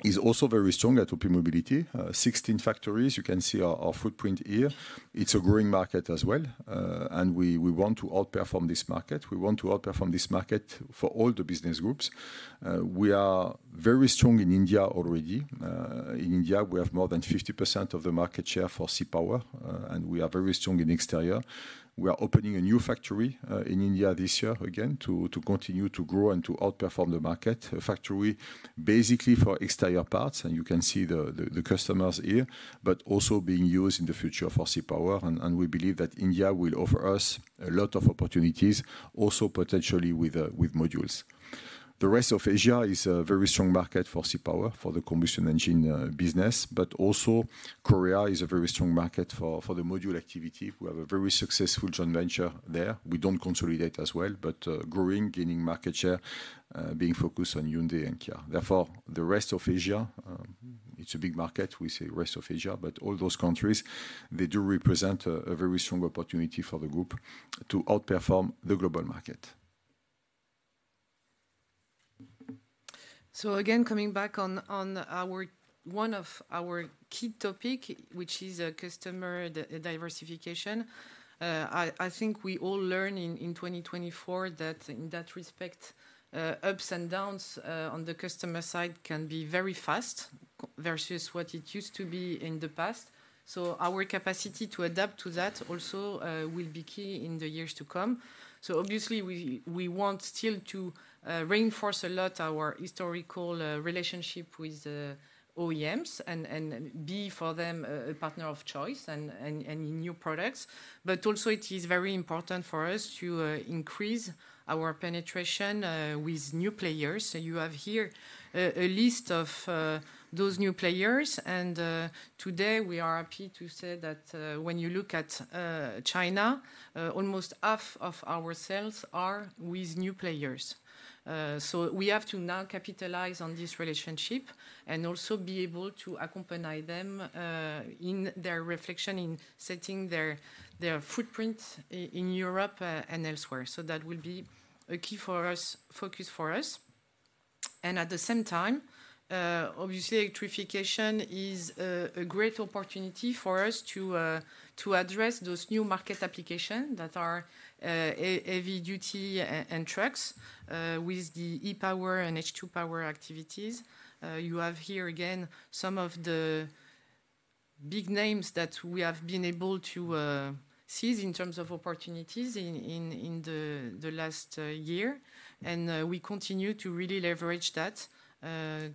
is also very strong at OPmobility. 16 factories, you can see our footprint here. It's a growing market as well. We want to outperform this market. We want to outperform this market for all the business groups. We are very strong in India already. In India, we have more than 50% of the market share for C-Power, and we are very strong in Exterior. We are opening a new factory in India this year again to continue to grow and to outperform the market. A factory basically for Exterior parts, and you can see the customers here, but also being used in the future for C-Power. We believe that India will offer us a lot of opportunities, also potentially with Modules. The rest of Asia is a very strong market for C-Power, for the combustion engine business, but also Korea is a very strong market for the module activity. We have a very successful joint venture there. We don't consolidate as well, but growing, gaining market share, being focused on Hyundai and Kia. Therefore, the rest of Asia, it's a big market. We say rest of Asia, but all those countries, they do represent a very strong opportunity for the group to outperform the global market. So again, coming back on one of our key topics, which is customer diversification, I think we all learned in 2024 that in that respect, ups and downs on the customer side can be very fast versus what it used to be in the past. So our capacity to adapt to that also will be key in the years to come. So obviously, we want still to reinforce a lot our historical relationship with OEMs and be for them a partner of choice and in new products. But also, it is very important for us to increase our penetration with new players. So you have here a list of those new players. And today, we are happy to say that when you look at China, almost half of our sales are with new players. So we have to now capitalize on this relationship and also be able to accompany them in their reflection in setting their footprint in Europe and elsewhere. So that will be a key focus for us. And at the same time, obviously, electrification is a great opportunity for us to address those new market applications that are heavy duty and trucks with the E-Power and H2-Power activities. You have here again some of the big names that we have been able to see in terms of opportunities in the last year. We continue to really leverage that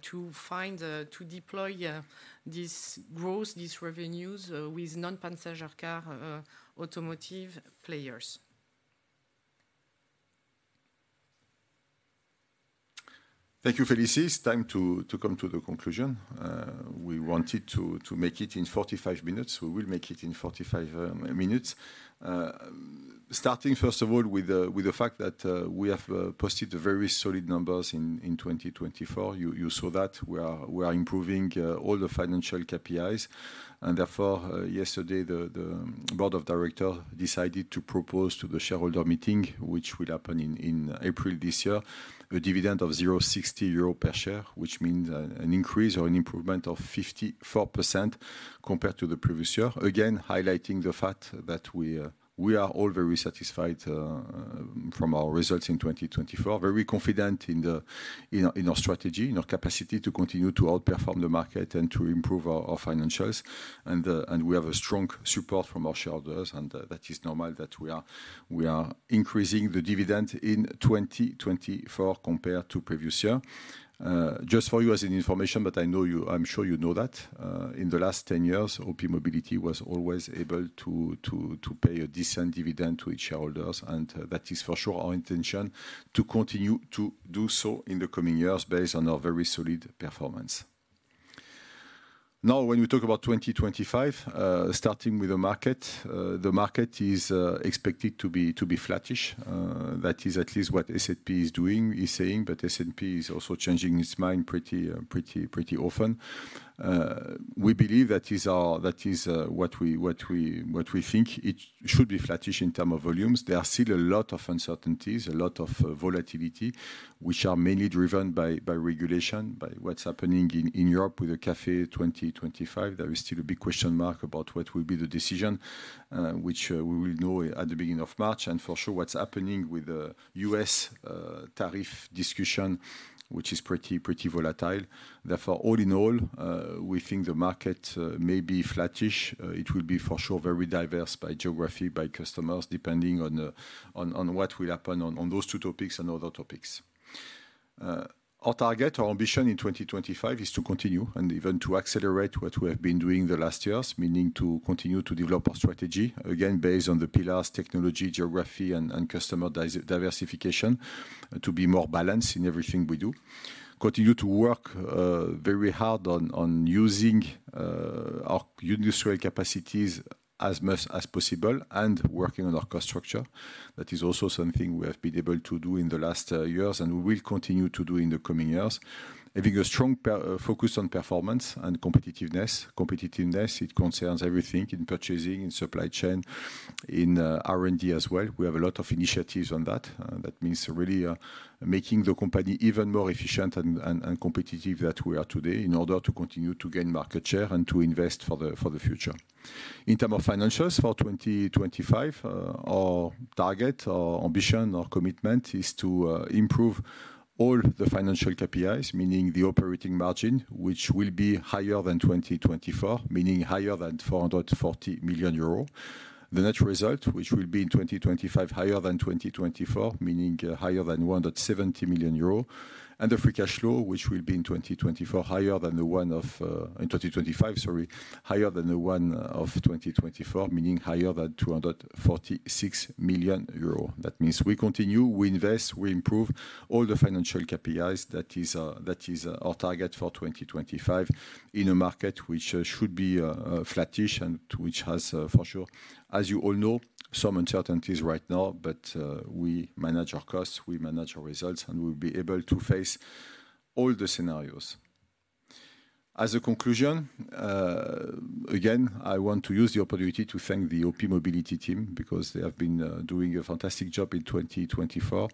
to find, to deploy this growth, these revenues with non-passenger car automotive players. Thank you, Félicie. It's time to come to the conclusion. We wanted to make it in 45 minutes. We will make it in 45 minutes. Starting first of all with the fact that we have posted very solid numbers in 2024. You saw that we are improving all the financial KPIs. And therefore, yesterday, the Board of Directors decided to propose to the shareholder meeting, which will happen in April this year, a dividend of 0.60 euro per share, which means an increase or an improvement of 54% compared to the previous year. Again, highLighting the fact that we are all very satisfied from our results in 2024, very confident in our strategy, in our capacity to continue to outperform the market and to improve our financials. We have a strong support from our shareholders, and that is normal that we are increasing the dividend in 2024 compared to the previous year. Just for you as an information, but I know you, I'm sure you know that in the last 10 years, OPmobility was always able to pay a decent dividend to its shareholders, and that is for sure our intention to continue to do so in the coming years based on our very solid performance. Now, when we talk about 2025, starting with the market, the market is expected to be flattish. That is at least what S&P is doing, is saying, but S&P is also changing its mind pretty often. We believe that is what we think. It should be flattish in terms of volumes. There are still a lot of uncertainties, a lot of volatility, which are mainly driven by regulation, by what's happening in Europe with the CAFE 2025. There is still a big question mark about what will be the decision, which we will know at the beginning of March. For sure, what's happening with the U.S. tariff discussion, which is pretty volatile. Therefore, all in all, we think the market may be flattish. It will be for sure very diverse by geography, by customers, depending on what will happen on those two topics and other topics. Our target, our ambition in 2025 is to continue and even to accelerate what we have been doing the last years, meaning to continue to develop our strategy, again, based on the pillars, technology, geography, and customer diversification to be more balanced in everything we do. Continue to work very hard on using our industrial capacities as much as possible and working on our cost structure. That is also something we have been able to do in the last years and we will continue to do in the coming years. Having a strong focus on performance and competitiveness. Competitiveness, it concerns everything in purchasing, in supply chain, in R&D as well. We have a lot of initiatives on that. That means really making the company even more efficient and competitive that we are today in order to continue to gain market share and to invest for the future. In terms of financials for 2025, our target, our ambition, our commitment is to improve all the financial KPIs, meaning the operating margin, which will be higher than 2024, meaning higher than 440 million euros. The net result, which will be in 2025, higher than 2024, meaning higher than 170 million euro. And the free cash flow, which will be in 2024, higher than the one of 2025, sorry, higher than the one of 2024, meaning higher than 246 million euros. That means we continue, we invest, we improve all the financial KPIs. That is our target for 2025 in a market which should be flattish and which has for sure, as you all know, some uncertainties right now, but we manage our costs, we manage our results, and we will be able to face all the scenarios. As a conclusion, again, I want to use the opportunity to thank the OPmobility team because they have been doing a fantastic job in 2024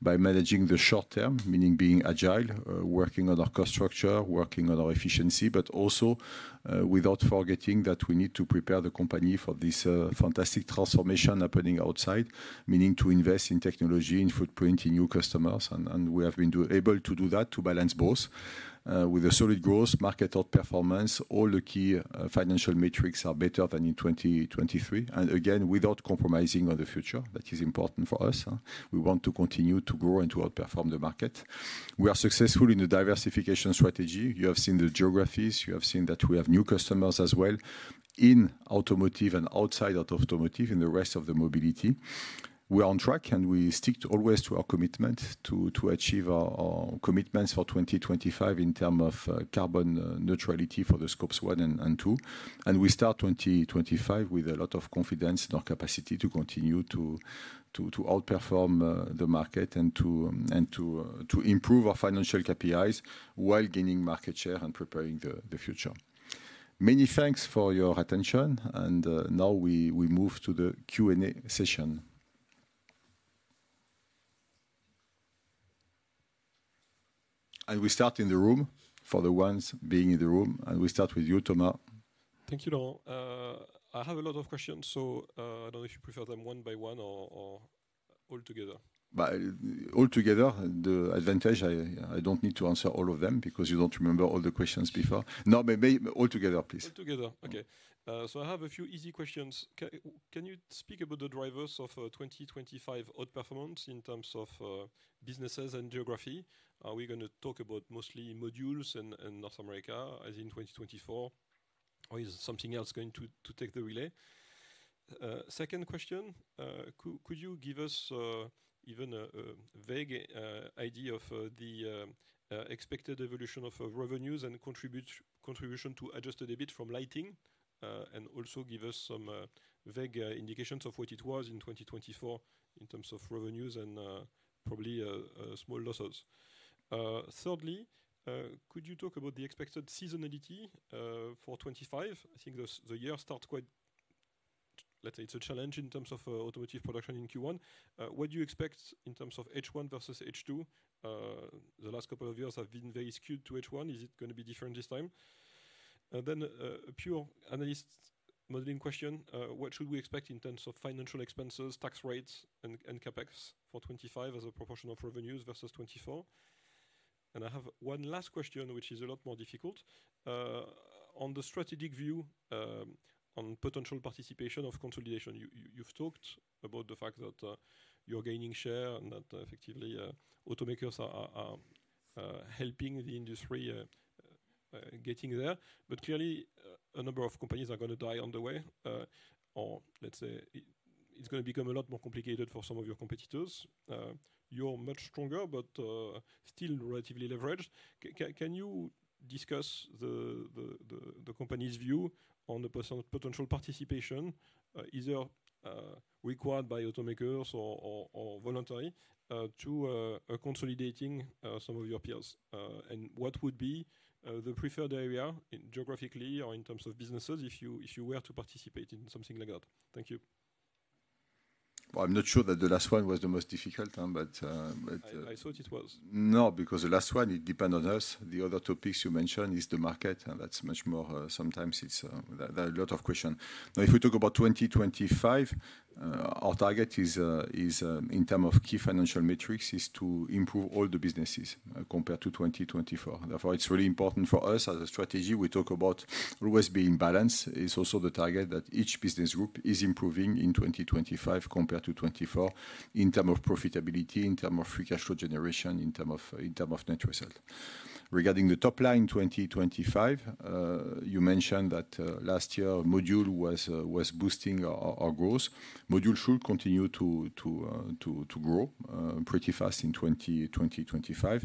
by managing the short term, meaning being agile, working on our cost structure, working on our efficiency, but also without forgetting that we need to prepare the company for this fantastic transformation happening outside, meaning to invest in technology, in footprint, in new customers, and we have been able to do that, to balance both with a solid growth, market outperformance. All the key financial metrics are better than in 2023, and again, without compromising on the future, that is important for us. We want to continue to grow and to outperform the market. We are successful in the diversification strategy. You have seen the geographies. You have seen that we have new customers as well in automotive and outside of automotive in the rest of the mobility. We are on track and we stick always to our commitment to achieve our commitments for 2025 in terms of carbon neutrality for Scope 1 and 2. And we start 2025 with a lot of confidence in our capacity to continue to outperform the market and to improve our financial KPIs while gaining market share and preparing the future. Many thanks for your attention. And now we move to the Q&A session. And we start in the room for the ones being in the room. And we start with you, Thomas. Thank you all. I have a lot of questions. So I don't know if you prefer them one by one or all together. All together, the advantage. I don't need to answer all of them because you don't remember all the questions before. No, maybe all together, please. All together. Okay. So I have a few easy questions. Can you speak about the drivers of 2025 outperformance in terms of businesses and geography? Are we going to talk about mostly Modules and North America as in 2024? Or is something else going to take the relay? Second question, could you give us even a vague idea of the expected evolution of revenues and contribution to adjusted EBIT from Lighting and also give us some vague indications of what it was in 2024 in terms of revenues and probably small losses? Thirdly, could you talk about the expected seasonality for 2025? I think the year starts quite, let's say, it's a challenge in terms of automotive production in Q1. What do you expect in terms of H1 versus H2? The last couple of years have been very skewed to H1. Is it going to be different this time? Then a pure analyst modeling question. What should we expect in terms of financial expenses, tax rates, and CapEx for 2025 as a proportion of revenues versus 2024? And I have one last question, which is a lot more difficult. On the strategic view on potential participation of consolidation, you've talked about the fact that you're gaining share and that effectively automakers are helping the industry getting there. But clearly, a number of companies are going to die on the way. Or let's say it's going to become a lot more complicated for some of your competitors. You're much stronger, but still relatively leveraged. Can you discuss the company's view on the potential participation? Is there a requirement by automakers or voluntary to consolidating some of your peers? And what would be the preferred area geographically or in terms of businesses if you were to participate in something like that? Thank you. I'm not sure that the last one was the most difficult, but. I thought it was. No, because the last one, it depends on us. The other topics you mentioned is the market. That's much more. Sometimes it's a lot of questions. Now, if we talk about 2025, our target is in terms of key financial metrics is to improve all the businesses compared to 2024. Therefore, it's really important for us as a strategy. We talk about always being balanced. It's also the target that each business group is improving in 2025 compared to 2024 in terms of profitability, in terms of free cash flow generation, in terms of net result. Regarding the top line in 2025, you mentioned that last year module was boosting our growth. Module should continue to grow pretty fast in 2025.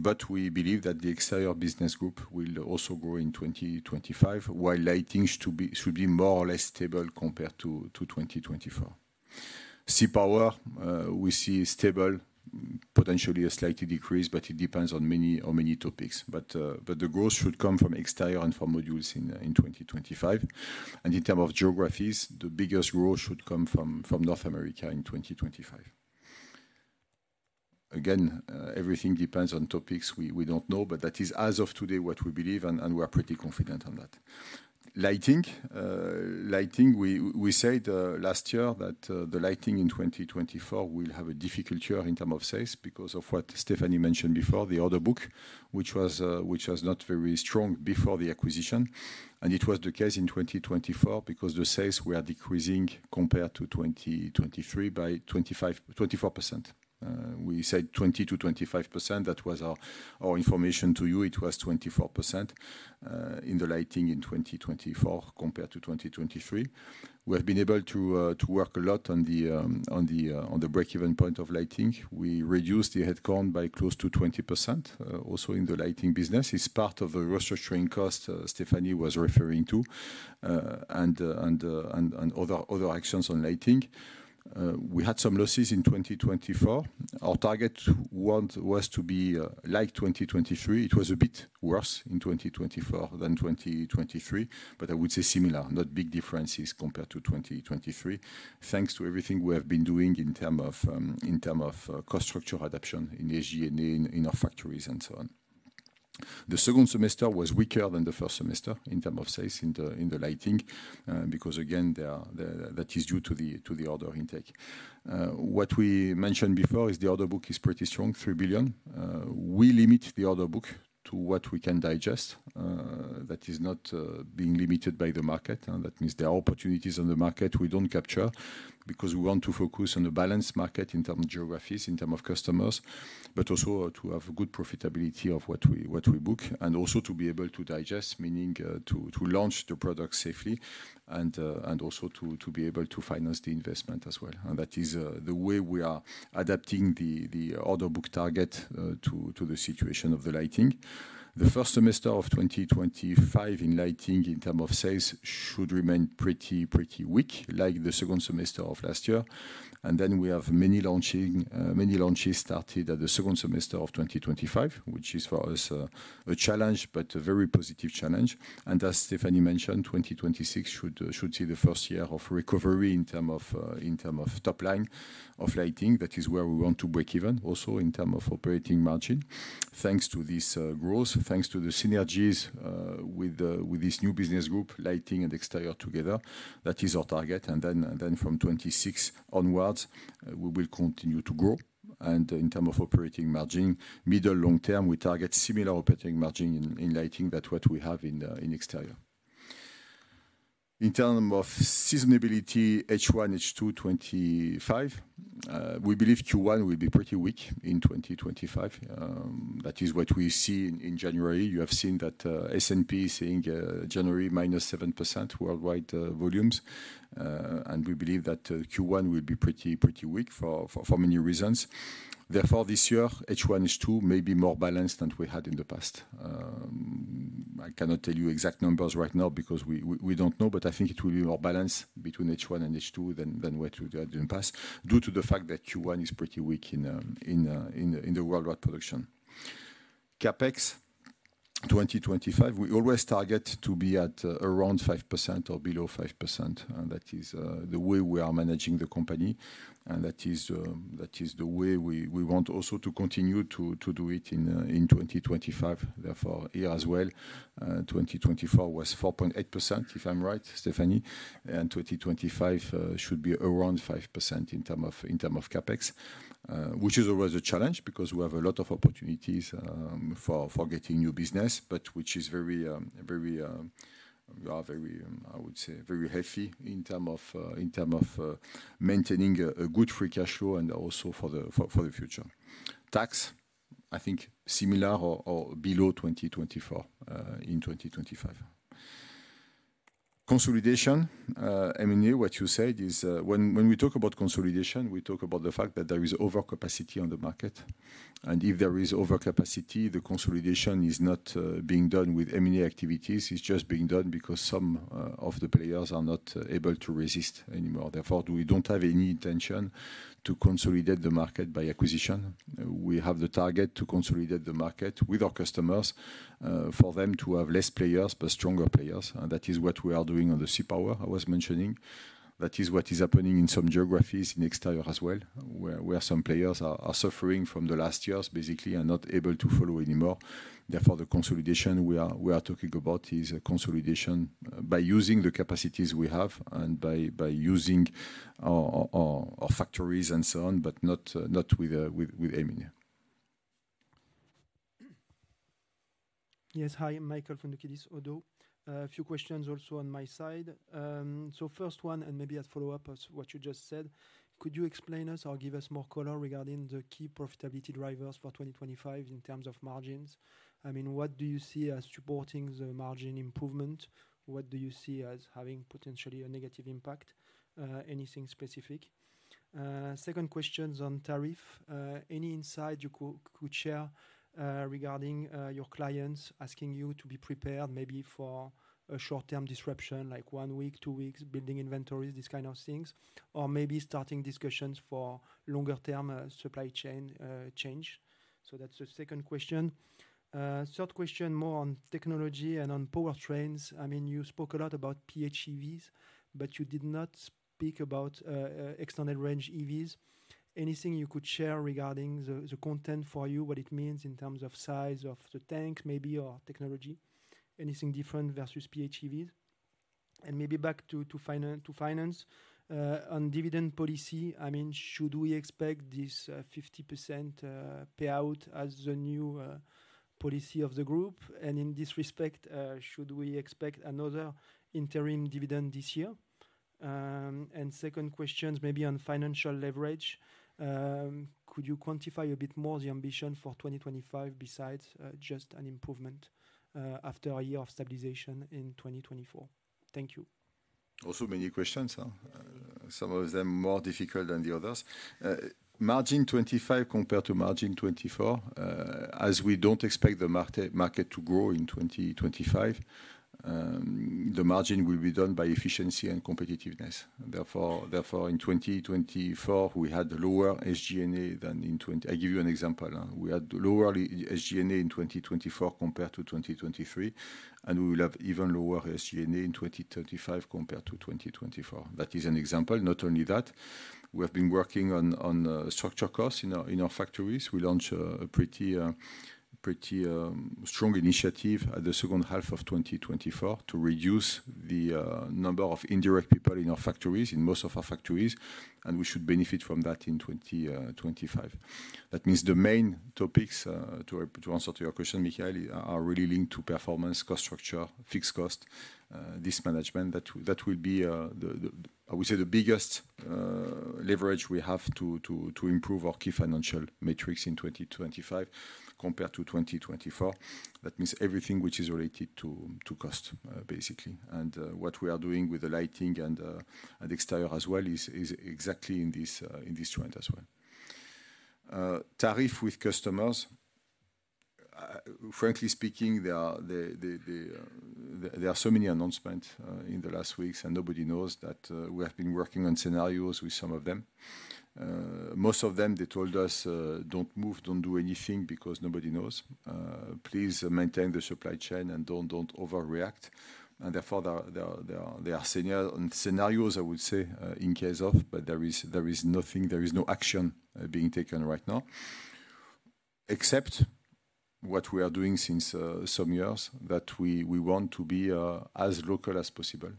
But we believe that the Exterior business group will also grow in 2025, while Lighting should be more or less stable compared to 2024. C-Power, we see stable, potentially a slight decrease, but it depends on many topics. But the growth should come from Exterior and from Modules in 2025. And in terms of geographies, the biggest growth should come from North America in 2025. Again, everything depends on topics. We don't know, but that is as of today what we believe, and we are pretty confident on that. Lighting, we said last year that the Lighting in 2024 will have a difficult year in terms of sales because of what Stéphanie mentioned before, the order book, which was not very strong before the acquisition. It was the case in 2024 because the sales were decreasing compared to 2023 by 24%. We said 20%-25%. That was our information to you. It was 24% in the Lighting in 2024 compared to 2023. We have been able to work a lot on the break-even point of Lighting. We reduced the headcount by close to 20% also in the Lighting business. It's part of the restructuring cost Stéphanie was referring to and other actions on Lighting. We had some losses in 2024. Our target was to be like 2023. It was a bit worse in 2024 than 2023, but I would say similar, not big differences compared to 2023, thanks to everything we have been doing in terms of cost structure adoption in SG&A in our factories and so on. The second semester was weaker than the first semester in terms of sales in the Lighting because, again, that is due to the order intake. What we mentioned before is the order book is pretty strong, 3 billion. We limit the order book to what we can digest. That is not being limited by the market. That means there are opportunities on the market we don't capture because we want to focus on a balanced market in terms of geographies, in terms of customers, but also to have good profitability of what we book and also to be able to digest, meaning to launch the product safely and also to be able to finance the investment as well. And that is the way we are adapting the order book target to the situation of the Lighting. The first semester of 2025 in Lighting in terms of sales should remain pretty weak, like the second semester of last year. And then we have many launches started at the second semester of 2025, which is for us a challenge, but a very positive challenge. And as Stéphanie mentioned, 2026 should see the first year of recovery in terms of top line of Lighting. That is where we want to break even also in terms of operating margin, thanks to this growth, thanks to the synergies with this new business group, Lighting and Exterior together. That is our target, and then from 2026 onwards, we will continue to grow. In terms of operating margin, middle, long term, we target similar operating margin in Lighting than what we have in Exterior. In terms of seasonality, H1, H2 2025, we believe Q1 will be pretty weak in 2025. That is what we see in January. You have seen that S&P saying January minus 7% worldwide volumes. We believe that Q1 will be pretty weak for many reasons. Therefore, this year, H1, H2 may be more balanced than we had in the past. I cannot tell you exact numbers right now because we don't know, but I think it will be more balanced between H1 and H2 than what we had in the past due to the fact that Q1 is pretty weak in the worldwide production. CapEx, 2025, we always target to be at around 5% or below 5%. That is the way we are managing the company. And that is the way we want also to continue to do it in 2025. Therefore, here as well, 2024 was 4.8%, if I'm right, Stéphanie. And 2025 should be around 5% in terms of CapEx, which is always a challenge because we have a lot of opportunities for getting new business, but which is very, very, I would say, very healthy in terms of maintaining a good free cash flow and also for the future. Tax, I think similar or below 2024 in 2025. Consolidation, M&A, what you said is when we talk about consolidation, we talk about the fact that there is overcapacity on the market. And if there is overcapacity, the consolidation is not being done with M&A activities. It's just being done because some of the players are not able to resist anymore. Therefore, we don't have any intention to consolidate the market by acquisition. We have the target to consolidate the market with our customers for them to have less players, but stronger players. And that is what we are doing on the C-Power, I was mentioning. That is what is happening in some geographies in Exterior as well, where some players are suffering from the last years, basically, and not able to follow anymore. Therefore, the consolidation we are talking about is consolidation by using the capacities we have and by using our factories and so on, but not with M&A. Yes, hi, Michael Foundoukidis, ODDO. A few questions also on my side. So first one, and maybe a follow-up of what you just said, could you explain to us or give us more color regarding the key profitability drivers for 2025 in terms of margins? I mean, what do you see as supporting the margin improvement? What do you see as having potentially a negative impact? Anything specific? Second question on tariff. Any insight you could share regarding your clients asking you to be prepared maybe for a short-term disruption, like one week, two weeks, building inventories, these kinds of things, or maybe starting discussions for longer-term supply chain change? So that's the second question. Third question, more on technology and on power trains. I mean, you spoke a lot about PHEVs, but you did not speak about extended range EVs. Anything you could share regarding the content for you, what it means in terms of size of the tank, maybe, or technology? Anything different versus PHEVs? And maybe back to finance. On dividend policy, I mean, should we expect this 50% payout as the new policy of the group? And in this respect, should we expect another interim dividend this year? And second question, maybe on financial leverage. Could you quantify a bit more the ambition for 2025 besides just an improvement after a year of stabilization in 2024? Thank you. Also, many questions. Some of them more difficult than the others. Margin 2025 compared to margin 2024, as we don't expect the market to grow in 2025, the margin will be done by efficiency and competitiveness. Therefore, in 2024, we had lower SG&A than in 2023. I give you an example. We had lower SG&A in 2024 compared to 2023, and we will have even lower SG&A in 2025 compared to 2024. That is an example. Not only that, we have been working on structure costs in our factories. We launched a pretty strong initiative at the second half of 2024 to reduce the number of indirect people in our factories, in most of our factories, and we should benefit from that in 2025. That means the main topics to answer to your question, Michael, are really linked to performance, cost structure, fixed cost, this management. That will be, I would say, the biggest leverage we have to improve our key financial metrics in 2025 compared to 2024. That means everything which is related to cost, basically. And what we are doing with the Lighting and Exterior as well is exactly in this trend as well. Tariffs with customers. Frankly speaking, there are so many announcements in the last weeks, and nobody knows that we have been working on scenarios with some of them. Most of them, they told us, "Don't move, don't do anything because nobody knows. Please maintain the supply chain and don't overreact." And therefore, there are scenarios, I would say, in case of, but there is nothing. There is no action being taken right now, except what we are doing since some years, that we want to be as local as possible.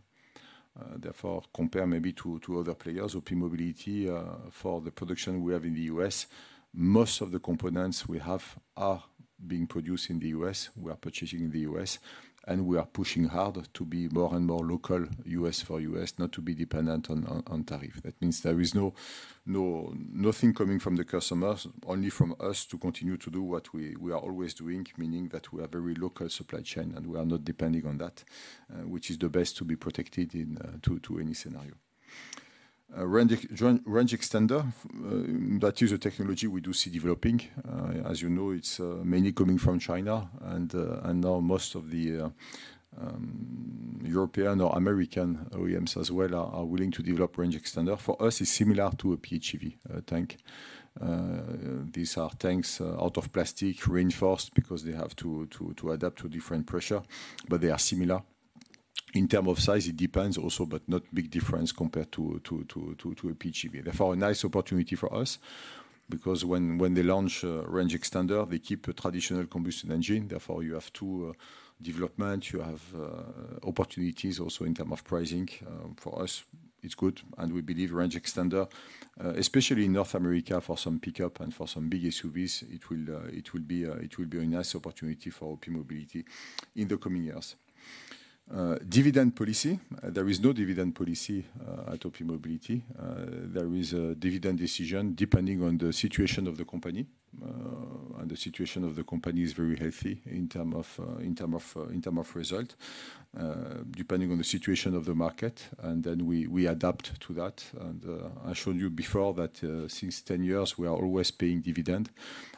Therefore, compare maybe to other players. OPmobility, for the production we have in the U.S., most of the components we have are being produced in the U.S. We are purchasing in the U.S., and we are pushing hard to be more and more local U.S. for U.S., not to be dependent on tariff. That means there is nothing coming from the customers, only from us to continue to do what we are always doing, meaning that we are very local supply chain and we are not depending on that, which is the best to be protected in any scenario. Range extender, that is a technology we do see developing. As you know, it's mainly coming from China, and now most of the European or American OEMs as well are willing to develop range extender. For us, it's similar to a PHEV tank. These are tanks out of plastic, reinforced because they have to adapt to different pressure, but they are similar. In terms of size, it depends also, but not a big difference compared to a PHEV. Therefore, a nice opportunity for us because when they launch range extender, they keep a traditional combustion engine. Therefore, you have two developments. You have opportunities also in terms of pricing. For us, it's good, and we believe range extender, especially in North America for some pickup and for some big SUVs, it will be a nice opportunity for OPmobility in the coming years. Dividend policy. There is no dividend policy at OPmobility. There is a dividend decision depending on the situation of the company. And the situation of the company is very healthy in terms of result, depending on the situation of the market. And then we adapt to that. I showed you before that since 10 years, we are always paying dividend.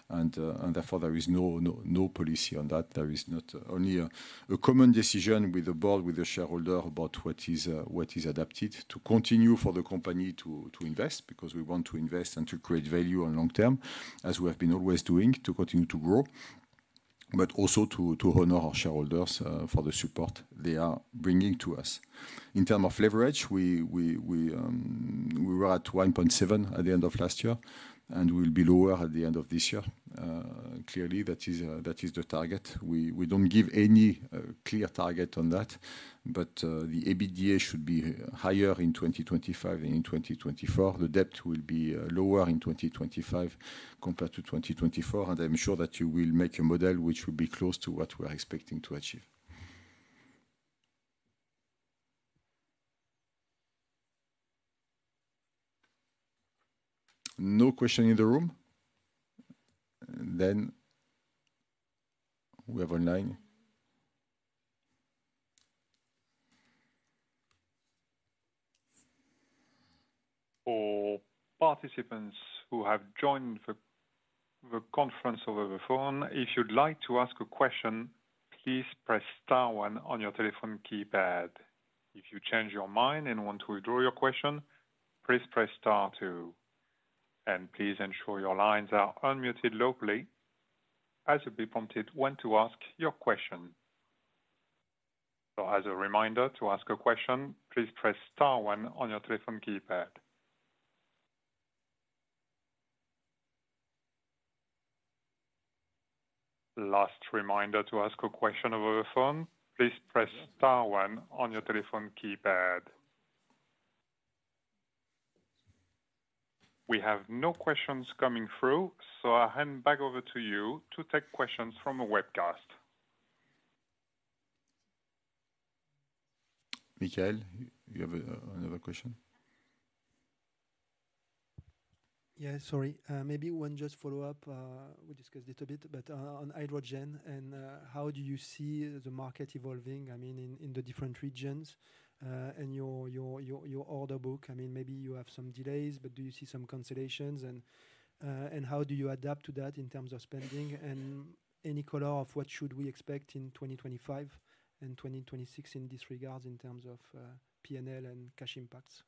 Therefore, there is no policy on that. There is not only a common decision with the board, with the shareholder about what is adapted to continue for the company to invest because we want to invest and to create value on long term, as we have been always doing, to continue to grow, but also to honor our shareholders for the support they are bringing to us. In terms of leverage, we were at 1.7 at the end of last year, and we will be lower at the end of this year. Clearly, that is the target. We don't give any clear target on that, but the EBITDA should be higher in 2025 than in 2024. The debt will be lower in 2025 compared to 2024. And I'm sure that you will make a model which will be close to what we are expecting to achieve. No question in the room? Then we have online. For participants who have joined the conference over the phone, if you'd like to ask a question, please press star one on your telephone keypad. If you change your mind and want to withdraw your question, please press star two. And please ensure your lines are unmuted locally as you'll be prompted when to ask your question. Or as a reminder to ask a question, please press star one on your telephone keypad. Last reminder to ask a question over the phone, please press star one on your telephone keypad. We have no questions coming through, so I'll hand back over to you to take questions from a webcast. Michael, you have another question? Yeah, sorry. Maybe one just follow-up. We discussed it a bit, but on hydrogen and how do you see the market evolving, I mean, in the different regions and your order book? I mean, maybe you have some delays, but do you see some cancellations? And how do you adapt to that in terms of spending and any color of what should we expect in 2025 and 2026 in this regard in terms of P&L and cash impacts?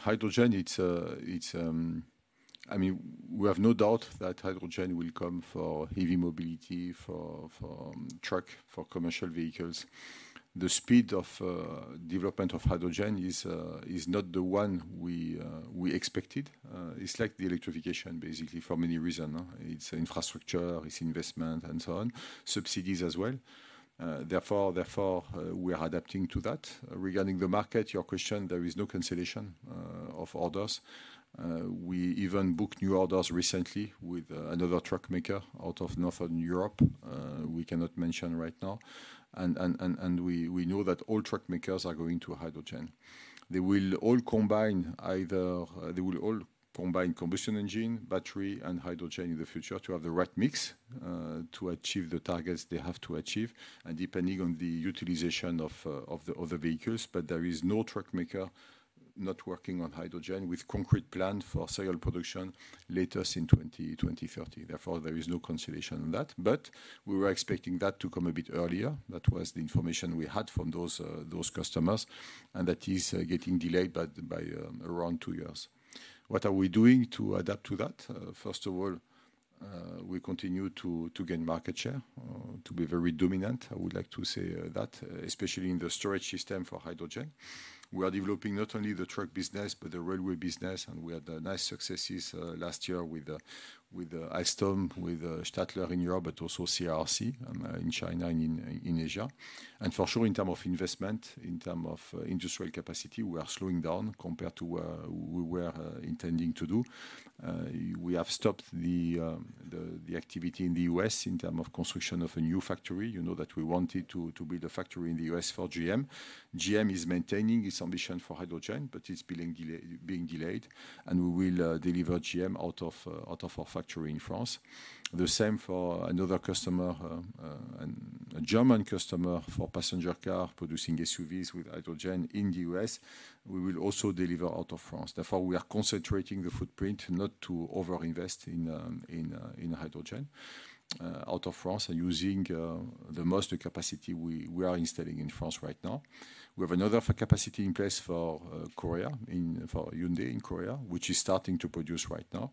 Hydrogen, I mean, we have no doubt that hydrogen will come for heavy mobility, for trucks, for commercial vehicles. The speed of development of hydrogen is not the one we expected. It's like the electrification, basically, for many reasons. It's infrastructure, it's investment, and so on, subsidies as well. Therefore, we are adapting to that. Regarding the market, your question, there is no cancellation of orders. We even booked new orders recently with another truck maker out of Northern Europe. We cannot mention right now. And we know that all truck makers are going to hydrogen. They will all combine either combustion engine, battery, and hydrogen in the future to have the right mix to achieve the targets they have to achieve, and depending on the utilization of the other vehicles. But there is no truck maker not working on hydrogen with concrete plan for serial production latest in 2030. Therefore, there is no consolation on that. But we were expecting that to come a bit earlier. That was the information we had from those customers, and that is getting delayed by around two years. What are we doing to adapt to that? First of all, we continue to gain market share to be very dominant. I would like to say that, especially in the storage system for hydrogen, we are developing not only the truck business, but the railway business, and we had nice successes last year with Alstom, with Stadler in Europe, but also CRRC in China and in Asia, and for sure, in terms of investment, in terms of industrial capacity, we are slowing down compared to what we were intending to do. We have stopped the activity in the U.S. in terms of construction of a new factory. You know that we wanted to build a factory in the U.S. for GM. GM is maintaining its ambition for hydrogen, but it's being delayed, and we will deliver GM out of our factory in France. The same for another customer, a German customer for passenger car producing SUVs with hydrogen in the U.S. We will also deliver out of France. Therefore, we are concentrating the footprint not to overinvest in hydrogen out of France and using the most capacity we are installing in France right now. We have another capacity in place for Korea, for Hyundai in Korea, which is starting to produce right now.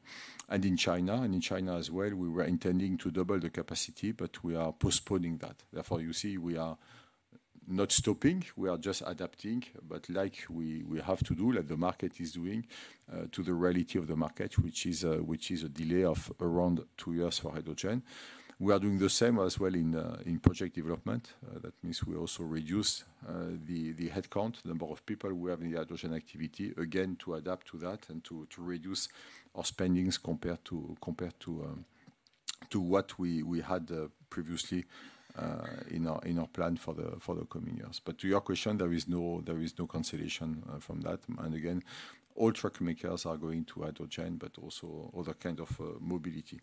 And in China, and in China as well, we were intending to double the capacity, but we are postponing that. Therefore, you see, we are not stopping. We are just adapting, but like we have to do, like the market is doing, to the reality of the market, which is a delay of around two years for hydrogen. We are doing the same as well in project development. That means we also reduce the headcount, the number of people we have in the hydrogen activity, again, to adapt to that and to reduce our spending compared to what we had previously in our plan for the coming years. But to your question, there is no conclusion from that. And again, all truck makers are going to hydrogen, but also other kinds of mobility.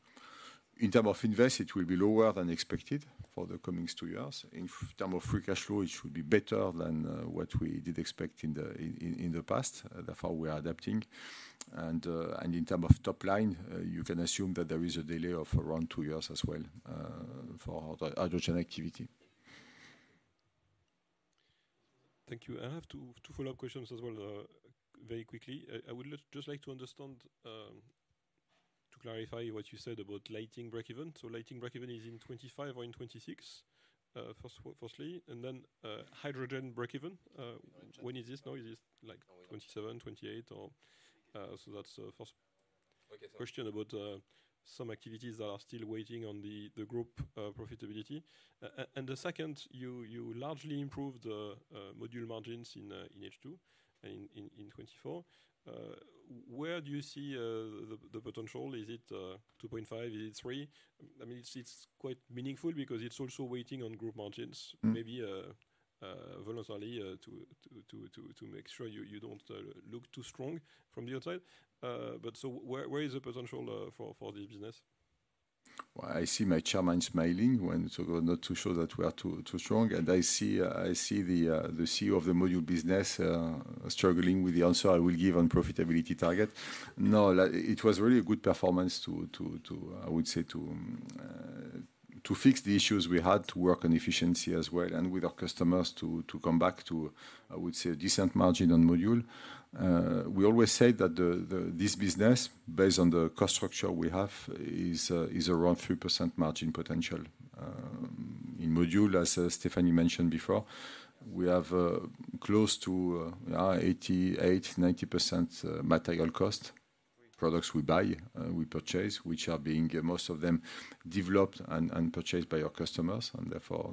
In terms of investment, it will be lower than expected for the coming two years. In terms of free cash flow, it should be better than what we did expect in the past. Therefore, we are adapting. And in terms of top line, you can assume that there is a delay of around two years as well for hydrogen activity. Thank you. I have two follow-up questions as well, very quickly. I would just like to understand, to clarify what you said about Lighting breakeven. Lighting breakeven is in 2025 or in 2026, firstly. And then hydrogen breakeven, when is this? Now, is this like 2027, 2028? So that's the first question about some activities that are still waiting on the group profitability. And the second, you largely improved the module margins in H2 in 2024. Where do you see the potential? Is it 2.5? Is it 3? I mean, it's quite meaningful because it's also waiting on group margins, maybe voluntarily to make sure you don't look too strong from the outside. But so where is the potential for this business? Well, I see my chairman smiling when it's not too sure that we are too strong. And I see the CEO of the module business struggling with the answer I will give on profitability target. No, it was really a good performance to, I would say, to fix the issues we had, to work on efficiency as well, and with our customers to come back to, I would say, a decent margin on module. We always say that this business, based on the cost structure we have, is around 3% margin potential in module, as Stéphanie mentioned before. We have close to 88%-90% material cost, products we buy, we purchase, which are being most of them developed and purchased by our customers. And therefore,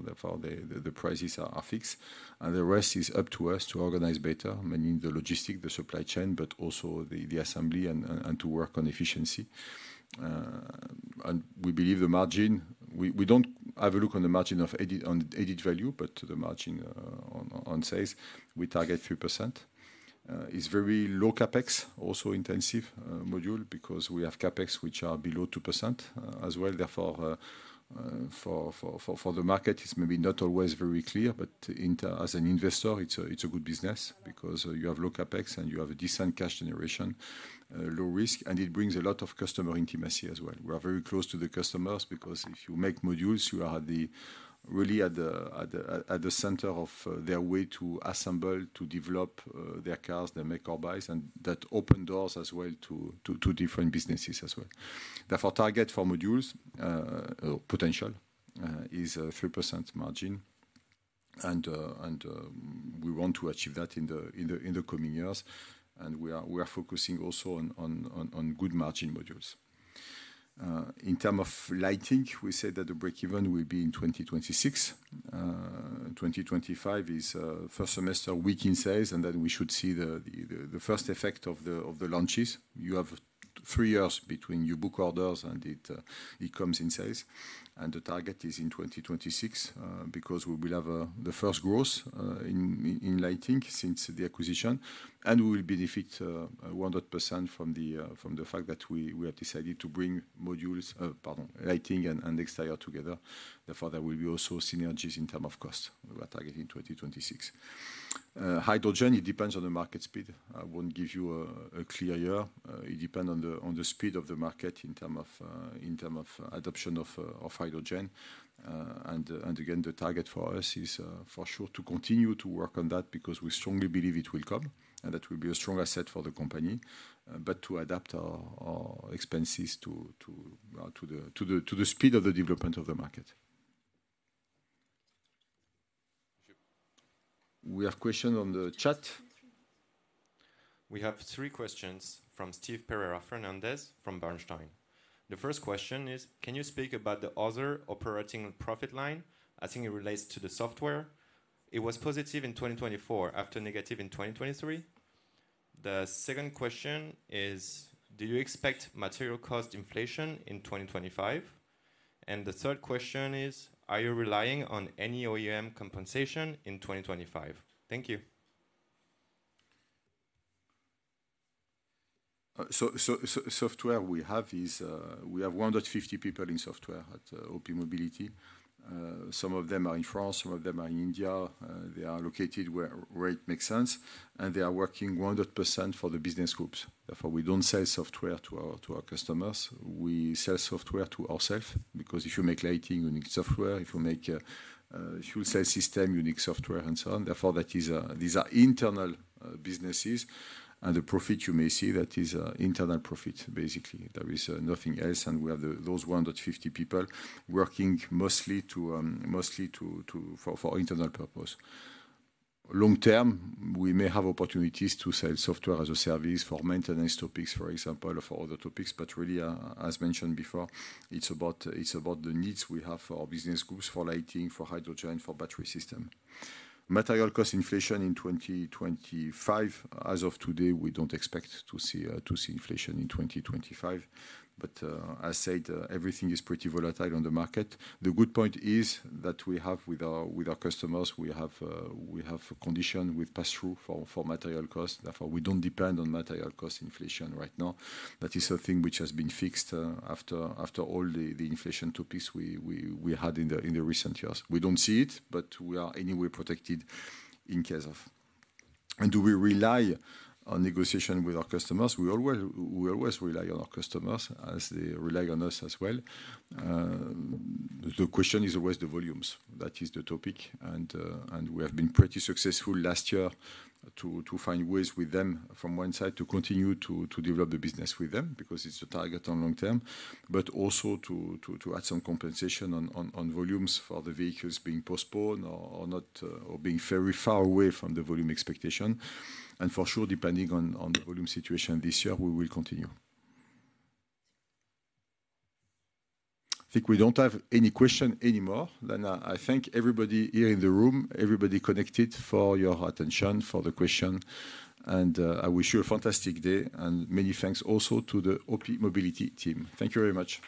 the prices are fixed. And the rest is up to us to organize better, meaning the logistics, the supply chain, but also the assembly and to work on efficiency. And we believe the margin, we don't have a look on the margin on added value, but the margin on sales, we target 3%. It's very low CapEx, also intensive module because we have CapEx which are below 2% as well. Therefore, for the market, it's maybe not always very clear, but as an investor, it's a good business because you have low CapEx and you have a decent cash generation, low risk, and it brings a lot of customer intimacy as well. We are very close to the customers because if you make Modules, you are really at the center of their way to assemble, to develop their cars, their make-or-buy, and that opens doors as well to different businesses as well. Therefore, target for Modules potential is 3% margin, and we want to achieve that in the coming years, and we are focusing also on good margin Modules. In terms of Lighting, we said that the breakeven will be in 2026. 2025 is first semester weak in sales, and then we should see the first effect of the launches. You have three years between when you book orders and it comes in sales. The target is in 2026 because we will have the first growth in Lighting since the acquisition, and we will benefit 100% from the fact that we have decided to bring Modules, Lighting, and Exterior together. Therefore, there will be also synergies in terms of cost. We are targeting 2026. Hydrogen, it depends on the market speed. I won't give you a clear year. It depends on the speed of the market in terms of adoption of hydrogen. Again, the target for us is for sure to continue to work on that because we strongly believe it will come and that will be a strong asset for the company, but to adapt our expenses to the speed of the development of the market. We have questions on the chat. We have three questions from Steve Pereira Fernandez from Bernstein. The first question is: Can you speak about the other operating profit line as it relates to the software? It was positive in 2024 after negative in 2023. The second question is: Do you expect material cost inflation in 2025? And the third question is: Are you relying on any OEM compensation in 2025? Thank you. So, software, we have 150 people in software at OPmobility. Some of them are in France, some of them are in India. They are located where it makes sense, and they are working 100% for the business groups. Therefore, we don't sell software to our customers. We sell software to ourselves because if you make Lighting, you need software. If you make a fuel cell system, you need software and so on. Therefore, these are internal businesses, and the profit you may see, that is internal profit, basically. There is nothing else, and we have those 150 people working mostly for internal purpose. Long term, we may have opportunities to sell software as a service for maintenance topics, for example, or for other topics. But really, as mentioned before, it's about the needs we have for our business groups, for Lighting, for Hydrogen, for Battery System. Material cost inflation in 2025. As of today, we don't expect to see inflation in 2025. But as I said, everything is pretty volatile on the market. The good point is that we have with our customers, we have a condition with pass-through for material cost. Therefore, we don't depend on material cost inflation right now. That is a thing which has been fixed after all the inflation topics we had in the recent years. We don't see it, but we are anyway protected in case of. And do we rely on negotiation with our customers? We always rely on our customers as they rely on us as well. The question is always the volumes. That is the topic. We have been pretty successful last year to find ways with them from one side to continue to develop the business with them because it's a target on long term, but also to add some compensation on volumes for the vehicles being postponed or being very far away from the volume expectation. For sure, depending on the volume situation this year, we will continue. I think we don't have any question anymore. I thank everybody here in the room, everybody connected for your attention, for the question. I wish you a fantastic day. Many thanks also to the OPmobility team. Thank you very much.